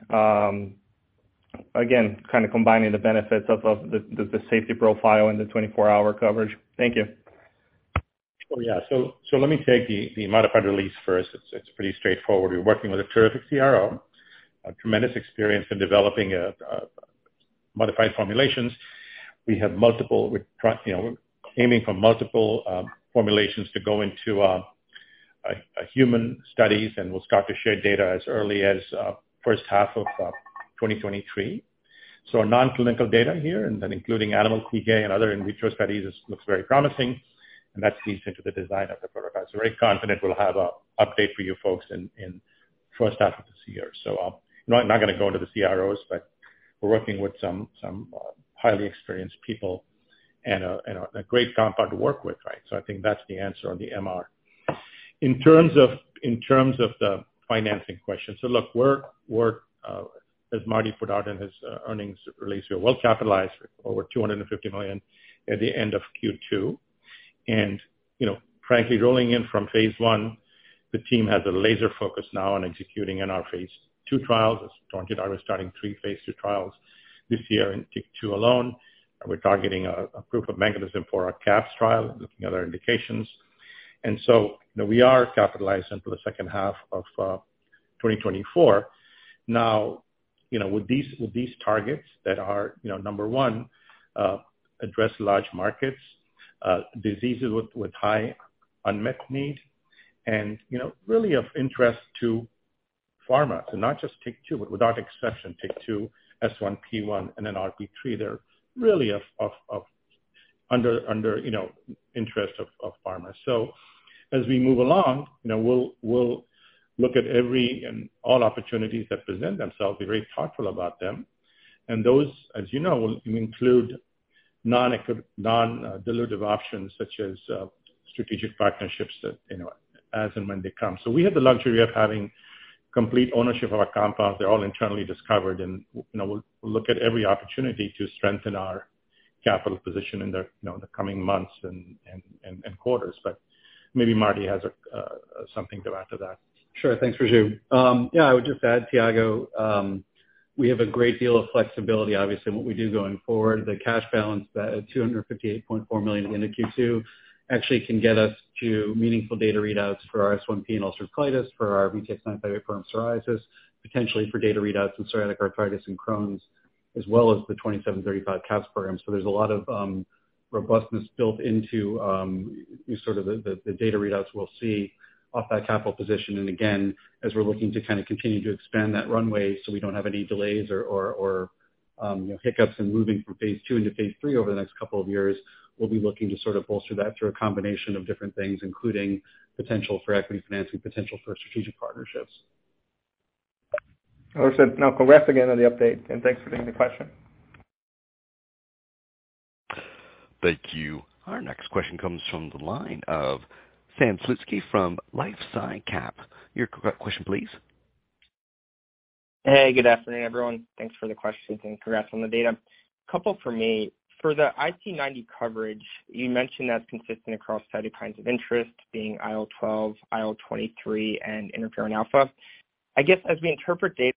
again, kind of combining the benefits of the safety profile and the 24-hour coverage. Thank you. Yeah. Let me take the modified release first. It's pretty straightforward. We're working with a terrific CRO, a tremendous experience in developing modified formulations. We have multiple, you know, we're aiming for multiple formulations to go into a human studies, and we'll start to share data as early as first half of 2023. Our non-clinical data here and then including animal PK and other in vitro studies looks very promising, and that feeds into the design of the protocol. Very confident we'll have an update for you folks in first half of this year. I'm not gonna go into the CROs, but we're working with some highly experienced people and a great compound to work with, right? I think that's the answer on the MR. In terms of the financing question, look, we're as Martin Auster put out in his earnings release, we're well capitalized with over $250 million at the end of Q2. You know, frankly, rolling in from phase one, the team has a laser focus now on executing in our phase two trials. As William Sandborn said, we're starting three phase two trials this year in TYK2 alone. We're targeting a proof of mechanism for our CAPS trial, looking at our indications. You know, we are capitalized into the second half of 2024. Now, you know, with these targets that are, you know, number one, address large markets, diseases with high unmet need and, you know, really of interest to pharma. Not just TYK2, but without exception, TYK2, S1P1, and then NLRP3. They're really of interest to pharma. As we move along, you know, we'll look at every and all opportunities that present themselves, be very thoughtful about them. Those, as you know, will include non-dilutive options such as strategic partnerships that, you know, as and when they come. We have the luxury of having complete ownership of our compounds. They're all internally discovered and, you know, we'll look at every opportunity to strengthen our capital position in the, you know, the coming months and quarters. Maybe Marty has something to add to that. Sure. Thanks, Raju. Yeah, I would just add, Tiago, we have a great deal of flexibility, obviously, in what we do going forward. The cash balance that at $258.4 million into Q2 actually can get us to meaningful data readouts for our S1P and ulcerative colitis, for our VTX958 for our psoriasis, potentially for data readouts in psoriatic arthritis and Crohn's, as well as the VTX2735 CAPS program. There's a lot of robustness built into sort of the data readouts we'll see off that capital position. Again, as we're looking to kind of continue to expand that runway so we don't have any delays or hiccups in moving from phase 2 into phase 3 over the next couple of years, we'll be looking to sort of bolster that through a combination of different things, including potential for equity financing, potential for strategic partnerships. Awesome. Now congrats again on the update, and thanks for taking the question. Thank you. Our next question comes from the line of Sam Slutsky from LifeSci Capital. Your question, please. Hey, good afternoon, everyone. Thanks for the questions, and congrats on the data. A couple for me. For the IC90 coverage, you mentioned that's consistent across cytokines of interest being IL-12, IL-23, and interferon alpha. I guess, as we interpret data.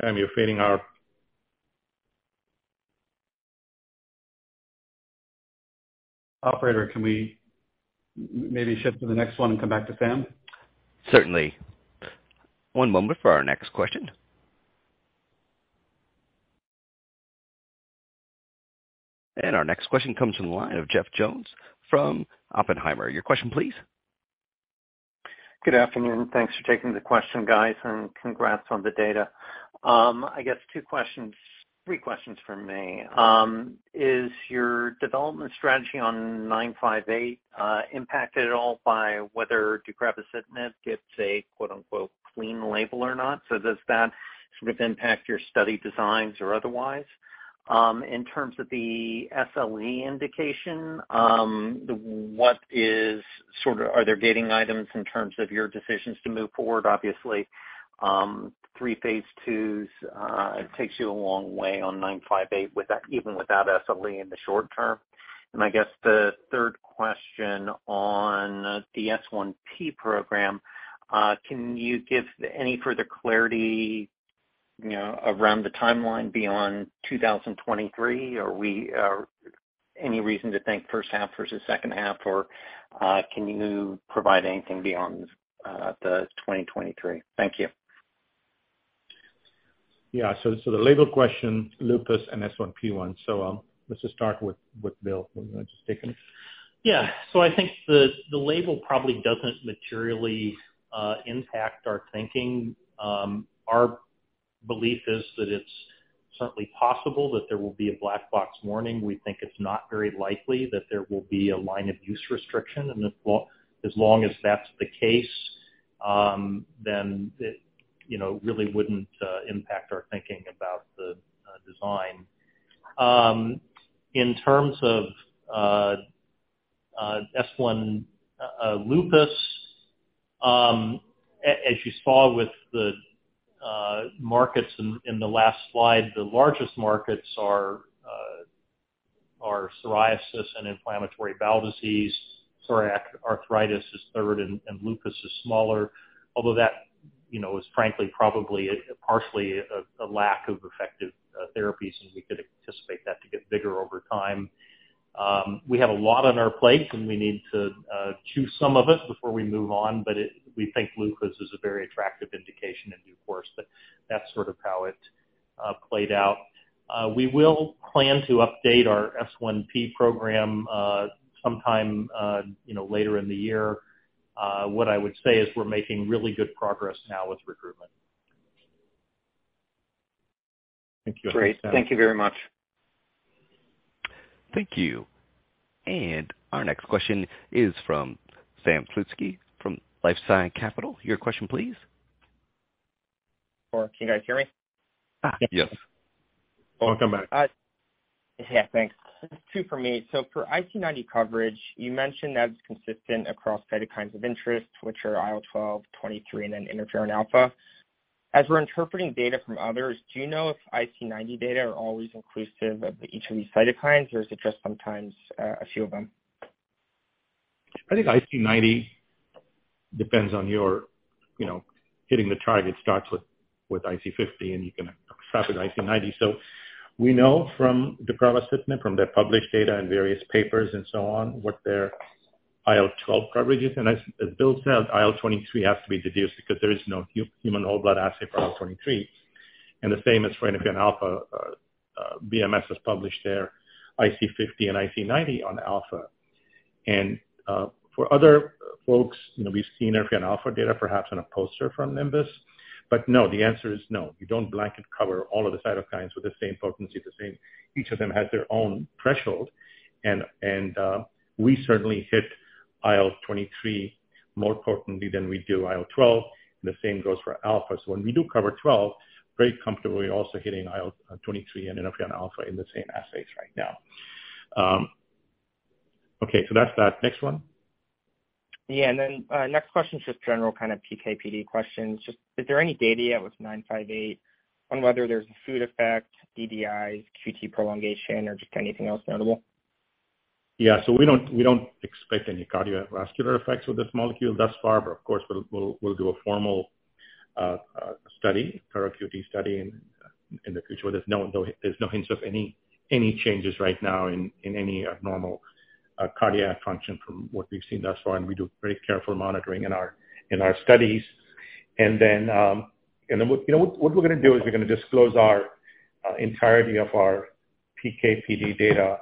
Sam, you're fading out. Operator, can we maybe shift to the next one and come back to Sam? Certainly. One moment for our next question. Our next question comes from the line of Jeff Jones from Oppenheimer. Your question, please. Good afternoon. Thanks for taking the question, guys, and congrats on the data. I guess two questions, three questions from me. Is your development strategy on 958 impacted at all by whether deucravacitinib gets a quote-unquote "clean label" or not? So does that sort of impact your study designs or otherwise? In terms of the SLE indication, are there gating items in terms of your decisions to move forward? Obviously, three phase twos takes you a long way on 958 with that, even without SLE in the short term. I guess the third question on the S1P program. Can you give any further clarity, you know, around the timeline beyond 2023? Is there any reason to think first half versus second half? Can you provide anything beyond the 2023? Thank you. Yeah. The label question, lupus and S1P1. Let's just start with Bill. You want to just take it? Yeah. I think the label probably doesn't materially impact our thinking. Our belief is that it's certainly possible that there will be a black box warning. We think it's not very likely that there will be a limitation of use restriction. As long as that's the case, then it, you know, really wouldn't impact our thinking about the design. In terms of SLE lupus, as you saw with the markets in the last slide, the largest markets are psoriasis and inflammatory bowel disease. Psoriatic arthritis is third and lupus is smaller, although that, you know, is frankly probably partially a lack of effective therapies, and we could anticipate that to get bigger over time. We have a lot on our plate, and we need to choose some of it before we move on. We think lupus is a very attractive indication in due course, but that's sort of how it played out. We will plan to update our S1P program sometime, you know, later in the year. What I would say is we're making really good progress now with recruitment. Thank you. Great. Thank you very much. Thank you. Our next question is from Sam Slutsky from LifeSci Capital. Your question, please. Can you guys hear me? Yes. Welcome back. Yeah, thanks. Two for me. For IC90 coverage, you mentioned that's consistent across cytokines of interest, which are IL-12, 23, and then interferon alpha. As we're interpreting data from others, do you know if IC90 data are always inclusive of each of these cytokines, or is it just sometimes a few of them? I think IC90 depends on your, you know, hitting the target. Starts with IC50, and you can stop at IC90. We know from deucravacitinib, from their published data and various papers and so on, what their IL-12 coverage is. As Bill said, IL-23 has to be deduced because there is no human whole blood assay for IL-23, and the same is for interferon alpha. BMS has published their IC50 and IC90 on alpha. For other folks, you know, we've seen interferon alpha data perhaps on a poster from Nimbus. No, the answer is no. You don't blanket cover all of the cytokines with the same potency, the same. Each of them has their own threshold. We certainly hit IL-23 more potently than we do IL-12, and the same goes for alpha. When we do IL-12, very comfortably also hitting IL-23 and interferon alpha in the same assays right now. Okay, that's that. Next one. Next question is just general kind of PK/PD questions. Is there any data yet with VTX958 on whether there's a food effect, DDIs, QT prolongation, or just anything else notable? We don't expect any cardiovascular effects with this molecule thus far, but of course, we'll do a formal cardiac QT study in the future. There's no hints of any changes right now in any abnormal or cardiac function from what we've seen thus far, and we do very careful monitoring in our studies. You know, what we're gonna do is we're gonna disclose our entirety of our PK/PD data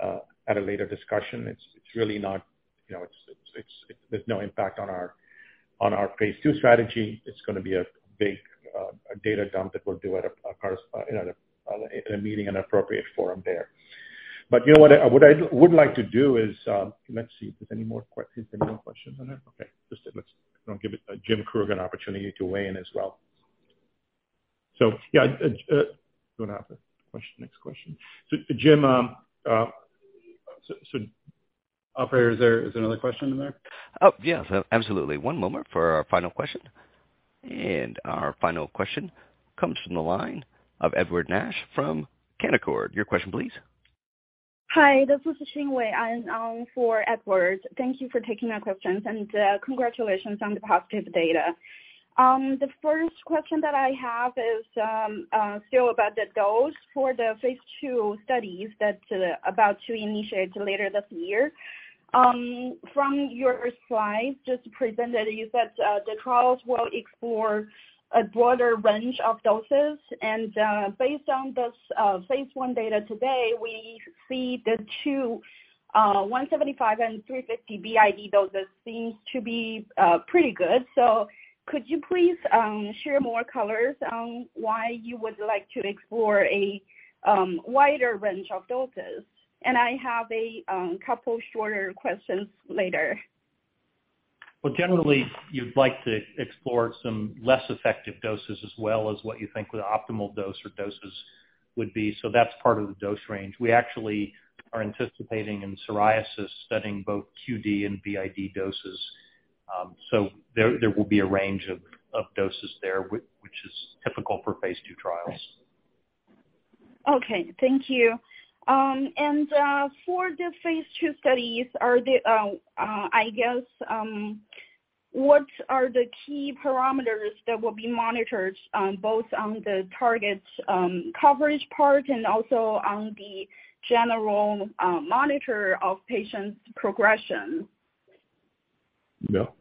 at a later discussion. It's really not, you know, there's no impact on our phase 2 strategy. It's gonna be a big data dump that we'll do of course in a meeting, an appropriate forum there. You know what I would like to do is let's see if there's any more questions in the queue. Okay. Let's give him Jim Krueger an opportunity to weigh in as well. Yeah, go ahead with the question, next question. Jim, so Operator, is there another question in the queue? Oh, yes, absolutely. One moment for our final question. Our final question comes from the line of Edward Tenthoff from Canaccord Genuity. Your question please. Hi. This is Xin Wei, I'm for Edward. Thank you for taking my questions, and congratulations on the positive data. The first question that I have is still about the dose for the phase 2 studies that's about to initiate later this year. From your slide just presented, you said the trials will explore a broader range of doses. Based on this phase 1 data today, we see the two 175 and 350 BID doses seems to be pretty good. Could you please share more color on why you would like to explore a wider range of doses? I have a couple shorter questions later. Well, generally, you'd like to explore some less effective doses as well as what you think the optimal dose or doses would be. That's part of the dose range. We actually are anticipating in psoriasis studying both QD and BID doses. There will be a range of doses there which is typical for phase two trials. Okay. Thank you. For the phase 2 studies, what are the key parameters that will be monitored both on the targets coverage part and also on the general monitor of patients' progression? Bill?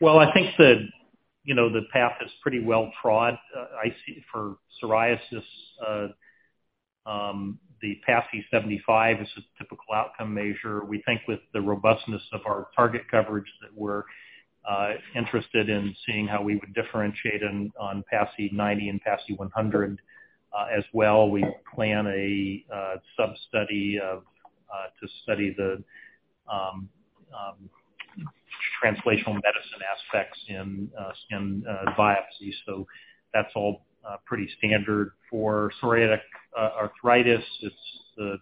Well, I think the path is pretty well-trod. I see for psoriasis, the PASI 75 is a typical outcome measure. We think with the robustness of our target coverage that we're interested in seeing how we would differentiate on PASI 90 and PASI 100. As well, we plan a sub-study to study the translational medicine aspects in skin biopsies. That's all pretty standard. For psoriatic arthritis, it's the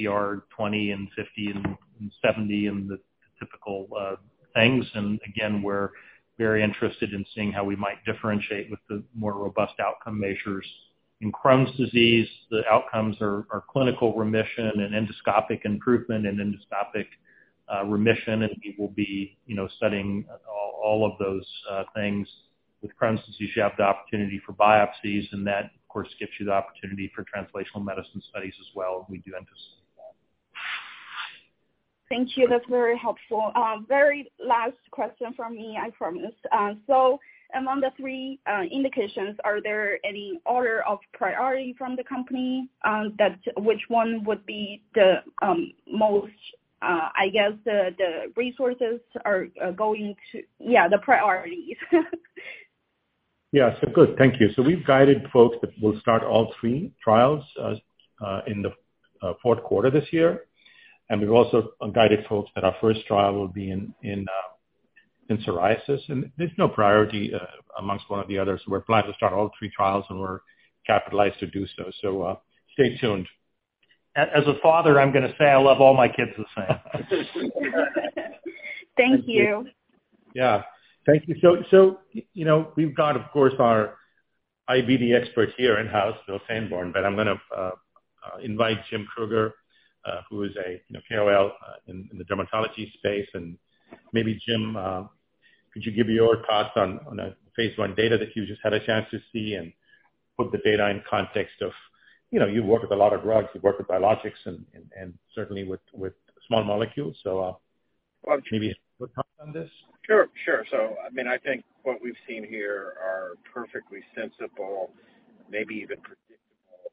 ACR20 and 50 and 70 and the typical things. Again, we're very interested in seeing how we might differentiate with the more robust outcome measures. In Crohn's disease, the outcomes are clinical remission and endoscopic improvement and endoscopic remission. We will be, you know, studying all of those things. With Crohn's disease, you have the opportunity for biopsies, and that of course gives you the opportunity for translational medicine studies as well. We do anticipate that. Thank you. That's very helpful. Very last question from me, I promise. So among the three indications, are there any order of priority from the company that which one would be the most, I guess the resources are going to the priorities. Yeah. Good. Thank you. We've guided folks that we'll start all three trials in the fourth quarter this year. We've also guided folks that our first trial will be in psoriasis. There's no priority among one or the others. We're planning to start all three trials, and we're capitalized to do so. Stay tuned. As a father, I'm gonna say I love all my kids the same. Thank you. Yeah. Thank you. You know, we've got, of course, our IBD expert here in-house, Bill Sandborn. I'm gonna invite Jim Krueger, who is a, you know, KOL in the dermatology space. Maybe Jim could you give your thoughts on a phase one data that you just had a chance to see and put the data in context of, you know, you've worked with a lot of drugs, you've worked with biologics and certainly with small molecules. Maybe you can put thoughts on this. I mean, I think what we've seen here are perfectly sensible, maybe even predictable,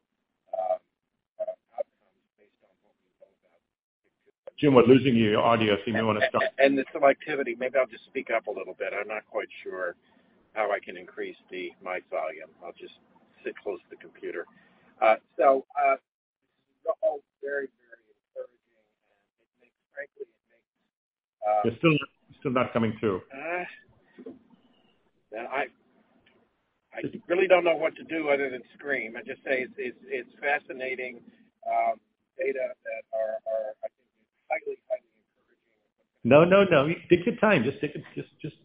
outcomes based on what we know about. Jim, we're losing you. Your audio, if you may wanna stop. The selectivity. Maybe I'll just speak up a little bit. I'm not quite sure how I can increase the mic volume. I'll just sit close to the computer. All very, very encouraging, and it makes, frankly. You're still not coming through. Yeah, I really don't know what to do other than scream and just say it's fascinating data that are, I think, highly encouraging. No. Take your time. Just take it. Just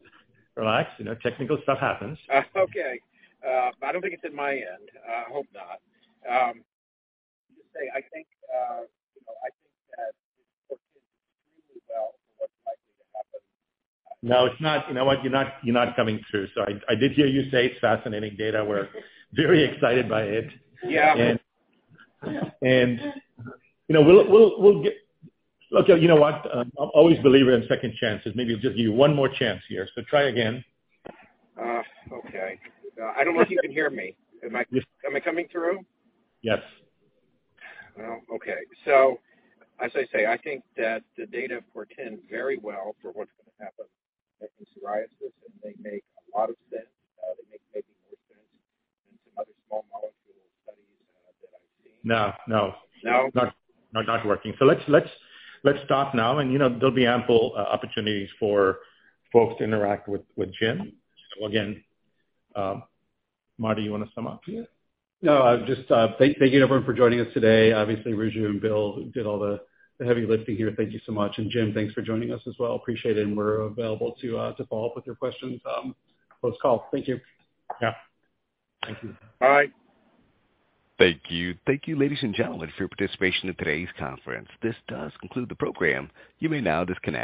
relax. You know, technical stuff happens. I don't think it's on my end. I hope not. Just say I think, you know, I think that it's working extremely well for what's likely to happen. No, it's not. You know what? You're not coming through. I did hear you say it's fascinating data. We're very excited by it. Yeah. You know what? Always believer in second chances. Maybe just give you one more chance here. Try again. Okay. I don't know if you can hear me. Am I- Yes. Am I coming through? Yes. Well, okay. As I say, I think that the data portend very well for what's gonna happen in psoriasis, and they make a lot of sense. They make maybe more sense than some other small molecule studies that I've seen. No, no. No? Not working. Let's stop now, and you know, there'll be ample opportunities for folks to interact with Jim. Again, Marty, you wanna sum up here? No, I'll just thank you, everyone for joining us today. Obviously, Raju and Bill did all the heavy lifting here. Thank you so much. Jim, thanks for joining us as well. Appreciate it, and we're available to follow up with your questions post-call. Thank you. Yeah. Thank you. Bye. Thank you. Thank you, ladies and gentlemen, for your participation in today's conference. This does conclude the program. You may now disconnect.